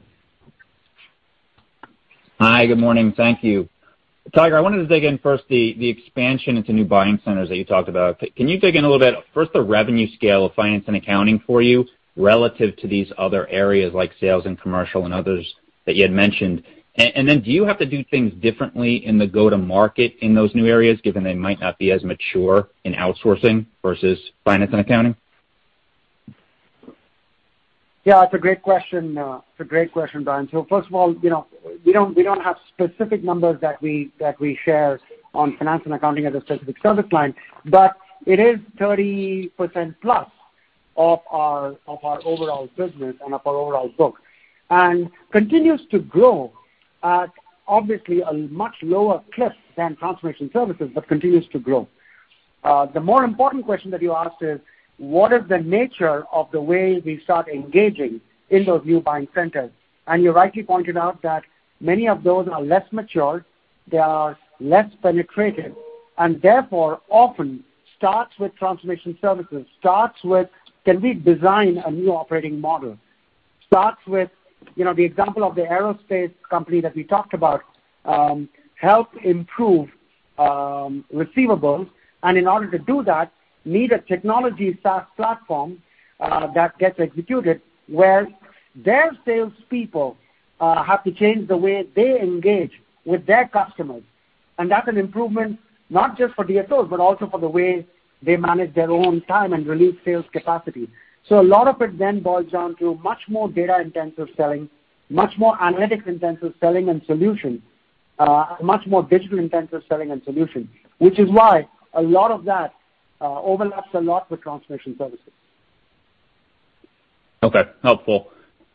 [SPEAKER 9] Hi. Good morning. Thank you. Tiger, I wanted to dig in first the expansion into new buying centers that you talked about. Can you dig in a little bit, first the revenue scale of finance and accounting for you relative to these other areas like sales and commercial and others that you had mentioned? And then do you have to do things differently in the go-to market in those new areas, given they might not be as mature in outsourcing versus finance and accounting?
[SPEAKER 3] It's a great question, Bryan. First of all, you know, we don't have specific numbers that we share on finance and accounting as a specific service line, but it is 30% plus of our overall business and of our overall book. It continues to grow at, obviously, a much lower clip than transformation services, but continues to grow. The more important question that you asked is what is the nature of the way we start engaging in those new buying centers? You rightly pointed out that many of those are less mature, they are less penetrated, and therefore often starts with transformation services. It starts with can we design a new operating model? It starts with, you know, the example of the aerospace company that we talked about, help improve receivables. And in order to do that, need a technology SaaS platform that gets executed, where their salespeople have to change the way they engage with their customers. That's an improvement not just for DSOs, but also for the way they manage their own time and release sales capacity. A lot of it then boils down to much more data-intensive selling, much more analytics-intensive selling and solution, much more digital-intensive selling and solution, which is why a lot of that overlaps a lot with transformation services.
[SPEAKER 9] Okay. Helpful.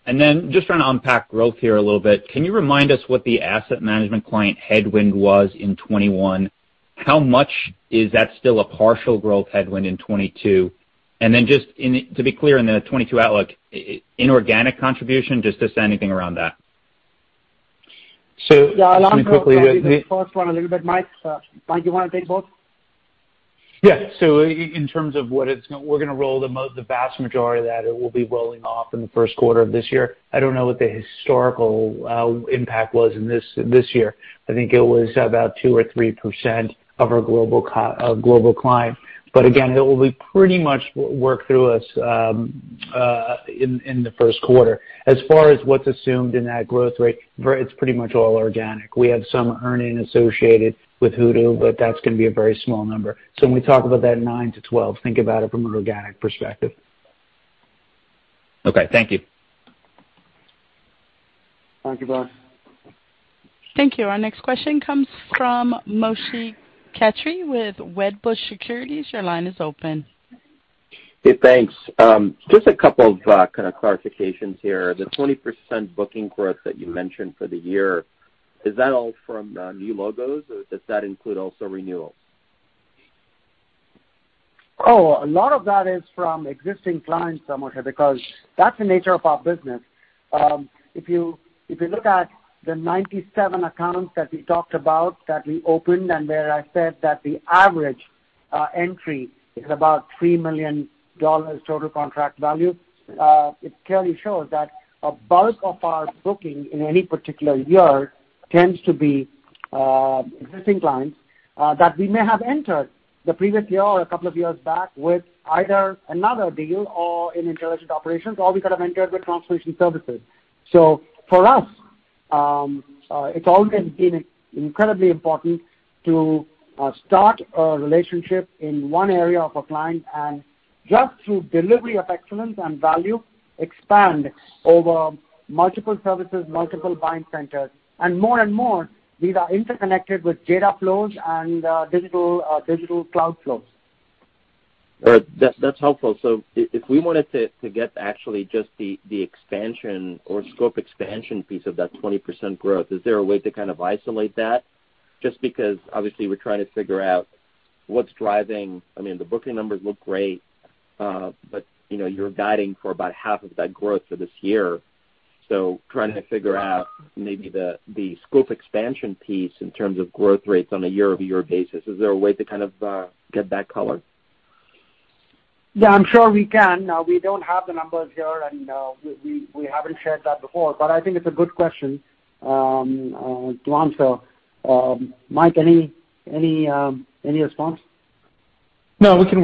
[SPEAKER 9] Just trying to unpack growth here a little bit, can you remind us what the asset management client headwind was in 2021? How much is that still a partial growth headwind in 2022? To be clear, in the 2022 outlook inorganic contribution, just anything around that?
[SPEAKER 4] So-
[SPEAKER 3] Yeah, I'll answer the first one a little bit, Mike. Mike, you wanna take both?
[SPEAKER 4] Yeah. In terms of what it's, we're gonna roll the vast majority of that, it will be rolling off in the first quarter of this year. I don't know what the historical impact was in this year. I think it was about 2% or 3% of our global client. But again, it will be pretty much worked through as in the first quarter. As far as what's assumed in that growth rate, it's pretty much all organic. We have some earnings associated with Hoodoo, but that's gonna be a very small number. When we talk about that 9%-12%, think about it from an organic perspective.
[SPEAKER 9] Okay. Thank you.
[SPEAKER 4] Thank you, Bryan.
[SPEAKER 1] Thank you. Our next question comes from Moshe Katri with Wedbush Securities. Your line is open.
[SPEAKER 10] Hey, thanks. Just a couple of kind of clarifications here. The 20% booking growth that you mentioned for the year, is that all from new logos or does that include also renewals?
[SPEAKER 3] Oh, a lot of that is from existing clients, Moshe, because that's the nature of our business. If you look at the 97 accounts that we talked about that we opened, and where I said that the average entry is about $3 million total contract value, it clearly shows that a bulk of our booking in any particular year tends to be existing clients that we may have entered the previous year or a couple of years back with either another deal or in intelligent operations, or we could have entered with translation services. For us, it's always been incredibly important to start a relationship in one area of a client and just through delivery of excellence and value, expand over multiple services, multiple buying centers. More and more these are interconnected with data flows and digital cloud flows.
[SPEAKER 10] All right. That's helpful. If we wanted to get actually just the expansion or scope expansion piece of that 20% growth, is there a way to kind of isolate that? Just because obviously we're trying to figure out what's driving. I mean, the booking numbers look great, but you know, you're guiding for about half of that growth for this year. Trying to figure out maybe the scope expansion piece in terms of growth rates on a year-over-year basis. Is there a way to kind of get that color?
[SPEAKER 3] Yeah, I'm sure we can. We don't have the numbers here, and we haven't shared that before, but I think it's a good question to answer. Mike, any response?
[SPEAKER 4] No, we're working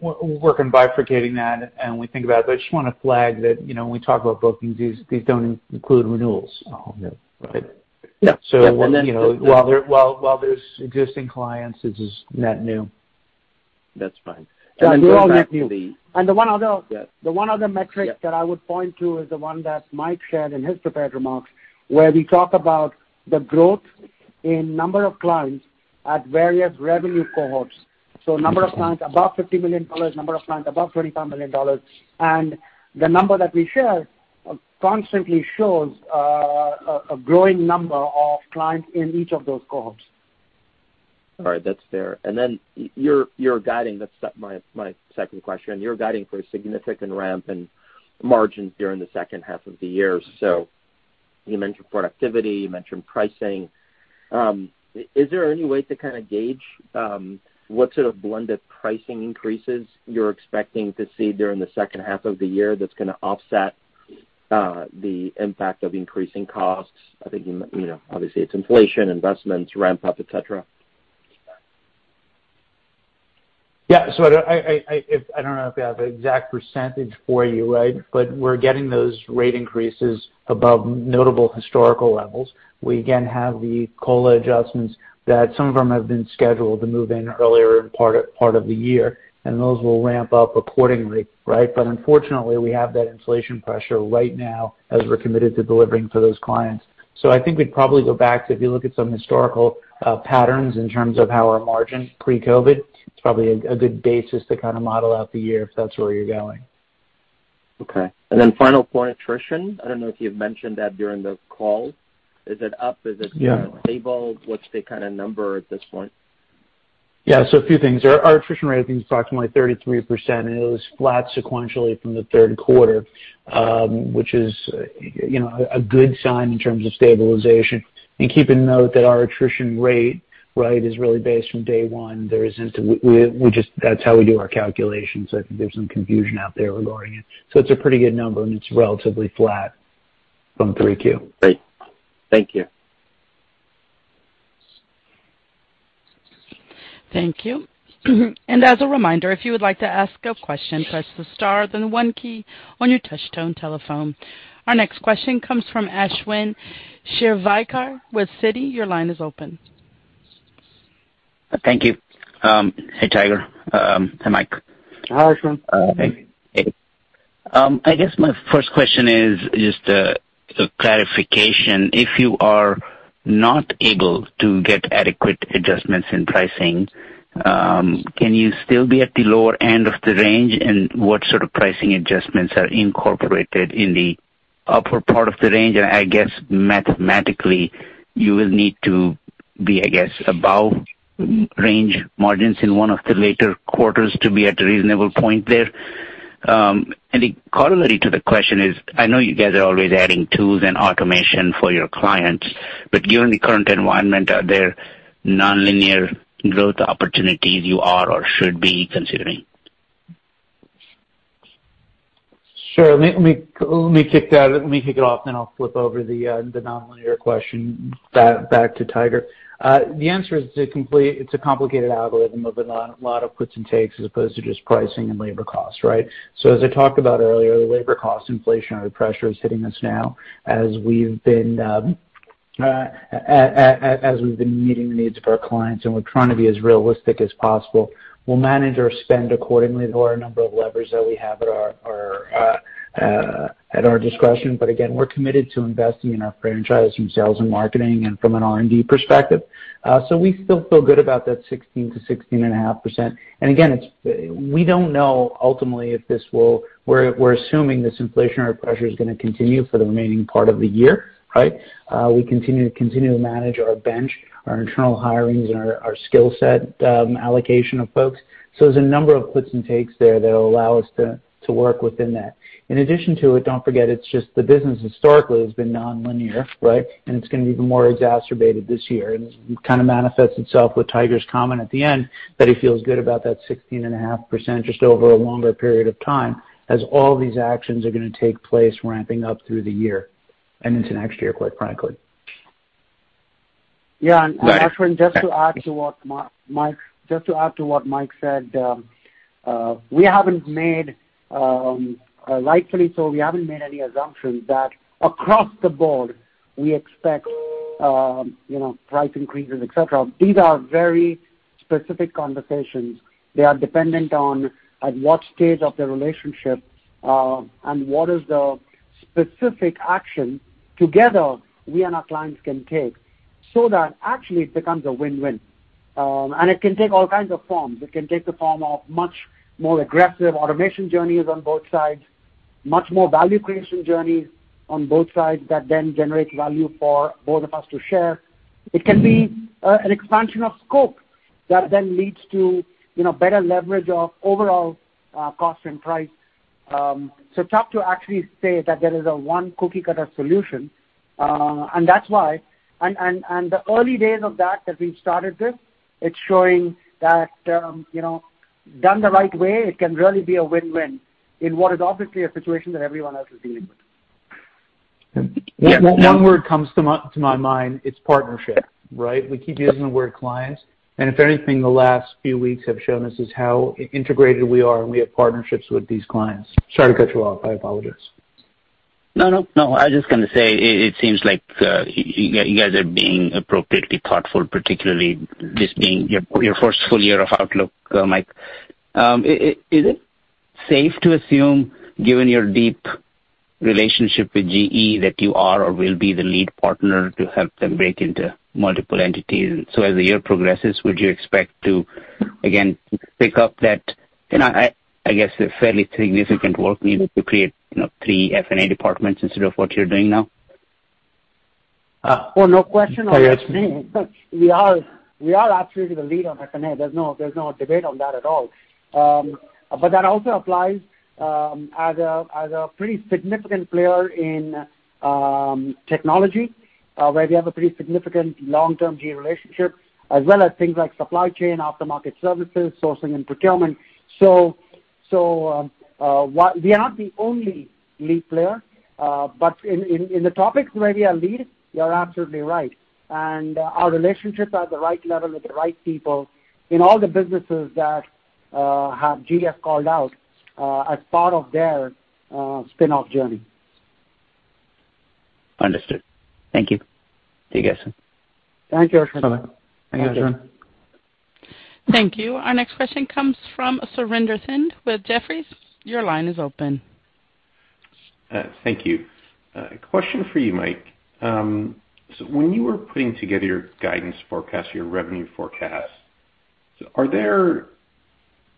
[SPEAKER 4] on bifurcating that, and we think about it. But I just wanna flag that, you know, when we talk about bookings, these don't include renewals.
[SPEAKER 10] Oh, okay. Right.
[SPEAKER 4] Yeah. While there's existing clients, this is net new.
[SPEAKER 10] That's fine. They're all net new. Can you go back to the.
[SPEAKER 3] The one other.
[SPEAKER 10] Yeah.
[SPEAKER 3] The one other metric.
[SPEAKER 10] Yeah
[SPEAKER 3] That I would point to is the one that Mike shared in his prepared remarks, where we talk about the growth in number of clients at various revenue cohorts. Number of clients above $50 million, number of clients above $25 million. The number that we share constantly shows a growing number of clients in each of those cohorts.
[SPEAKER 10] All right. That's fair. Then you're guiding, that's my second question. You're guiding for a significant ramp in margins during the second half of the year. You mentioned productivity, you mentioned pricing. Is there any way to kinda gauge what sort of blended pricing increases you're expecting to see during the second half of the year that's gonna offset the impact of increasing costs? I think you know, obviously it's inflation, investments, ramp up, et cetera.
[SPEAKER 4] Yeah. I don't know if we have the exact percentage for you, right? We're getting those rate increases above notable historical levels. We again have the COLA adjustments that some of them have been scheduled to move in earlier in part of the year, and those will ramp up accordingly, right? Unfortunately, we have that inflation pressure right now as we're committed to delivering for those clients. I think we'd probably go back to if you look at some historical patterns in terms of how our margin pre-COVID. It's probably a good basis to kinda model out the year if that's where you're going.
[SPEAKER 10] Okay. Final point, attrition. I don't know if you've mentioned that during the call. Is it up? Is it-
[SPEAKER 4] Yeah
[SPEAKER 10] Stable? What's the kind of number at this point?
[SPEAKER 4] A few things. Our attrition rate I think is approximately 33%, and it was flat sequentially from the third quarter, which is a good sign in terms of stabilization. Keep a note that our attrition rate, right, is really based from day one. That's how we do our calculations so if there's some confusion out there regarding it. It's a pretty good number, and it's relatively flat from Q3.
[SPEAKER 10] Great. Thank you.
[SPEAKER 1] Thank you. As a reminder, if you would like to ask a question, press the star then the one key on your touch tone telephone. Our next question comes from Ashwin Shirvaikar with Citi. Your line is open.
[SPEAKER 11] Thank you. Hey, Tiger. Hi, Mike.
[SPEAKER 3] Hi, Ashwin.
[SPEAKER 11] Hey. I guess my first question is just a clarification. If you are not able to get adequate adjustments in pricing, can you still be at the lower end of the range, and what sort of pricing adjustments are incorporated in the upper part of the range? I guess mathematically you will need to be, I guess, above range margins in one of the later quarters to be at a reasonable point there. A corollary to the question is, I know you guys are always adding tools and automation for your clients, but given the current environment, are there nonlinear growth opportunities you are or should be considering?
[SPEAKER 4] Sure. Let me kick it off, then I'll flip over the nonlinear question back to Tiger. The answer is it's a complicated algorithm of a lot of puts and takes as opposed to just pricing and labor costs, right? As I talked about earlier, the labor cost inflationary pressure is hitting us now as we've been meeting the needs of our clients, and we're trying to be as realistic as possible. We'll manage our spend according to our number of levers that we have at our discretion. Again, we're committed to investing in our franchise from sales and marketing and from an R&D perspective. We still feel good about that 16%-16.5%. Again, we don't know ultimately if this will. We're assuming this inflationary pressure is gonna continue for the remaining part of the year, right? We continue to manage our bench, our internal hirings, and our skill set allocation of folks. There's a number of puts and takes there that'll allow us to work within that. In addition to it, don't forget, it's just the business historically has been non-linear, right? It's gonna be even more exacerbated this year. It kind of manifests itself with Tiger's comment at the end that he feels good about that 16.5% just over a longer period of time as all these actions are gonna take place ramping up through the year and into next year, quite frankly.
[SPEAKER 3] Yeah. Ashwin, just to add to what Mike said, rightly so, we haven't made any assumptions that across the board we expect, you know, price increases, et cetera. These are very specific conversations. They are dependent on at what stage of the relationship, and what is the specific action together we and our clients can take so that actually it becomes a win-win. It can take all kinds of forms. It can take the form of much more aggressive automation journeys on both sides, much more value creation journeys on both sides that then generate value for both of us to share. It can be, an expansion of scope that then leads to, better leverage of overall cost and price. It's hard to actually say that there is a one cookie-cutter solution, and that's why, and the early days of that as we've started this, it's showing that, you know, done the right way, it can really be a win-win in what is obviously a situation that everyone else is dealing with.
[SPEAKER 4] One word comes to my mind, it's partnership, right? We keep using the word clients, and if anything the last few weeks have shown this is how integrated we are, and we have partnerships with these clients. Sorry to cut you off. I apologize.
[SPEAKER 11] No, no. I was just gonna say it. It seems like you guys are being appropriately thoughtful, particularly this being your first full year of outlook, Mike. Is it safe to assume, given your deep relationship with GE, that you are or will be the lead partner to help them break into multiple entities? As the year progresses, would you expect to again pick up that, you know, I guess the fairly significant work needed to create, you know, three F&A departments instead of what you're doing now?
[SPEAKER 3] Oh, no question.
[SPEAKER 4] Tiger.
[SPEAKER 3] We are absolutely the lead on F&A. There's no debate on that at all. But that also applies as a pretty significant player in technology, where we have a pretty significant long-term GE relationship, as well as things like supply chain, aftermarket services, sourcing and procurement. While we are not the only lead player, but in the topics where we are a lead, you're absolutely right. Our relationships are at the right level with the right people in all the businesses that GE has called out as part of their spin-off journey.
[SPEAKER 11] Understood. Thank you. Take care, sir.
[SPEAKER 3] Thank you, Ashwin.
[SPEAKER 4] Bye-bye. Thank you, Ashwin.
[SPEAKER 1] Thank you. Our next question comes from Surinder Thind with Jefferies. Your line is open.
[SPEAKER 12] Thank you. A question for you, Mike. So when you were putting together your guidance forecast, your revenue forecast, are there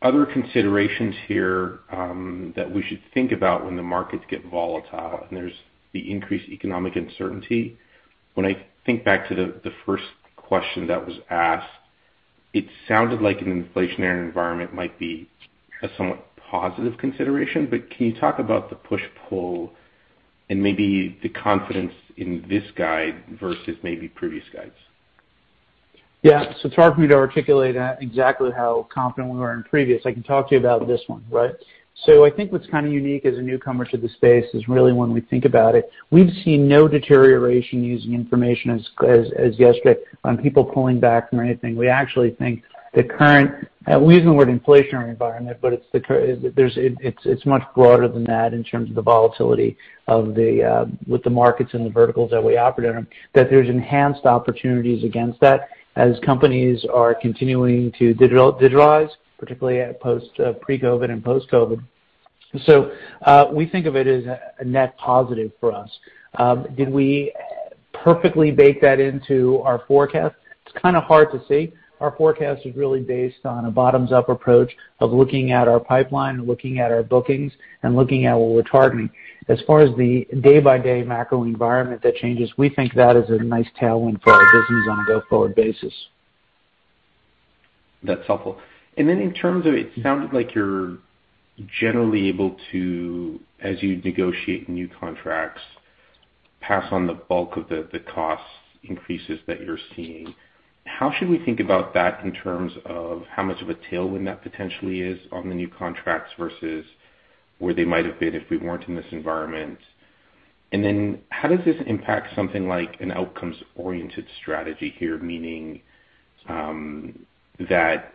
[SPEAKER 12] other considerations here that we should think about when the markets get volatile, and there's the increased economic uncertainty? When I think back to the first question that was asked, it sounded like an inflationary environment might be a somewhat positive consideration. But can you talk about the push-pull and maybe the confidence in this guide versus maybe previous guides?
[SPEAKER 4] Yeah. It's hard for me to articulate at exactly how confident we were in previous. I can talk to you about this one, right? I think what's kind of unique as a newcomer to the space is really when we think about it, we've seen no deterioration using information as of yesterday on people pulling back from anything. We actually think the current inflationary environment, but it's much broader than that in terms of the volatility of the markets and the verticals that we operate in, that there's enhanced opportunities against that as companies are continuing to digitize, particularly post pre-COVID and post-COVID. We think of it as a net positive for us. Did we perfectly bake that into our forecast? It's kind of hard to say. Our forecast is really based on a bottoms-up approach of looking at our pipeline and looking at our bookings and looking at what we're targeting. As far as the day-by-day macro environment that changes, we think that is a nice tailwind for our business on a go-forward basis.
[SPEAKER 12] That's helpful. In terms of, it sounded like you're generally able to, as you negotiate new contracts, pass on the bulk of the cost increases that you're seeing. How should we think about that in terms of how much of a tailwind that potentially is on the new contracts versus where they might have been if we weren't in this environment? How does this impact something like an outcomes-oriented strategy here? Meaning, that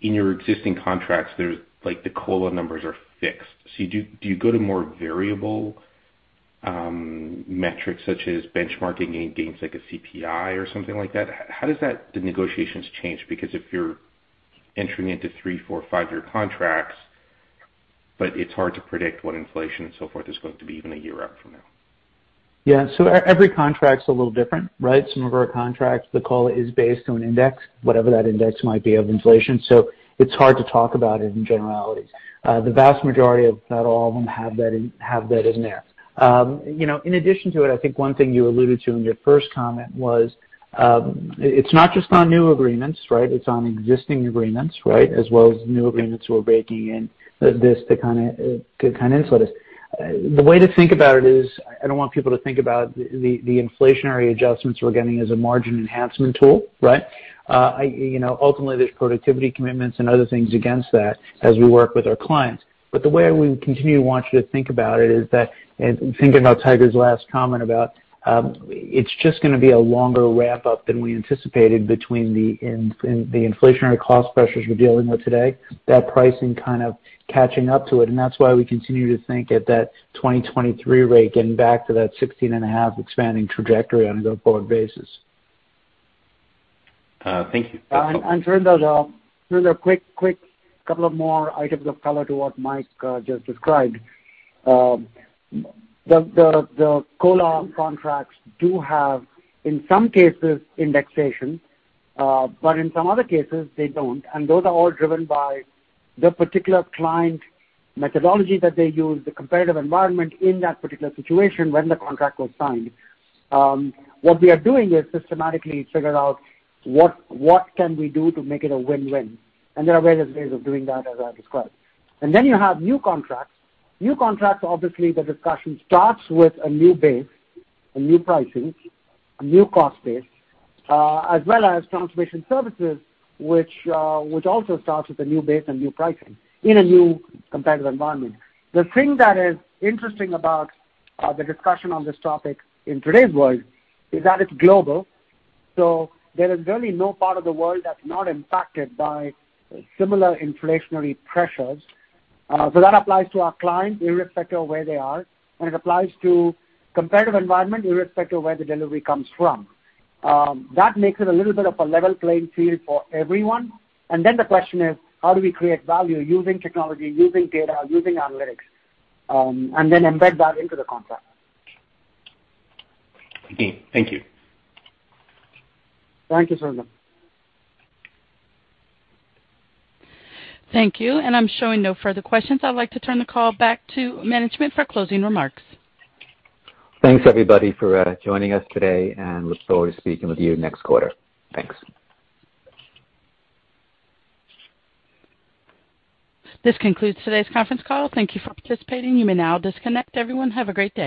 [SPEAKER 12] in your existing contracts there's, like, the COLA numbers are fixed. Do you go to more variable metrics such as benchmarking against like a CPI or something like that? How does that, the negotiations change? Because if you're entering into three, four, five-year contracts, but it's hard to predict what inflation and so forth is going to be even a year out from now.
[SPEAKER 4] Yeah. Every contract's a little different, right? Some of our contracts, the clause is based on index, whatever that index might be of inflation. It's hard to talk about it in generalities. The vast majority of that, all of them have that in there. You know, in addition to it, I think one thing you alluded to in your first comment was, it's not just on new agreements, right? It's on existing agreements, right, as well as new agreements who are baking in this to kinda influence. The way to think about it is I don't want people to think about the inflationary adjustments we're getting as a margin enhancement tool, right? You know, ultimately, there's productivity commitments and other things against that as we work with our clients. The way we continue to want you to think about it is that, and thinking about Tiger's last comment about, it's just gonna be a longer ramp-up than we anticipated between the inflationary cost pressures we're dealing with today. That pricing kind of catching up to it, and that's why we continue to think at that 2023 rate, getting back to that 16.5% expanding trajectory on a go-forward basis.
[SPEAKER 12] Thank you.
[SPEAKER 3] Surinder, quick couple of more items of color to what Mike just described. COLA contracts do have, in some cases, indexation, but in some other cases, they don't, and those are all driven by the particular client methodology that they use, the competitive environment in that particular situation when the contract was signed. What we are doing is systematically figure out what can we do to make it a win-win, and there are various ways of doing that as I described. Then you have new contracts. New contracts, obviously, the discussion starts with a new base, a new pricing, a new cost base, as well as transformation services, which also starts with a new base and new pricing in a new competitive environment. The thing that is interesting about the discussion on this topic in today's world is that it's global. There is really no part of the world that's not impacted by similar inflationary pressures. That applies to our clients irrespective of where they are, and it applies to competitive environment irrespective of where the delivery comes from. That makes it a little bit of a level playing field for everyone. The question is, how do we create value using technology, using data, using analytics, and then embed that into the contract?
[SPEAKER 12] Okay. Thank you.
[SPEAKER 3] Thank you, Surinder.
[SPEAKER 1] Thank you. I'm showing no further questions. I'd like to turn the call back to management for closing remarks.
[SPEAKER 4] Thanks, everybody, for joining us today, and look forward to speaking with you next quarter. Thanks.
[SPEAKER 1] This concludes today's conference call. Thank you for participating. You may now disconnect. Everyone, have a great day.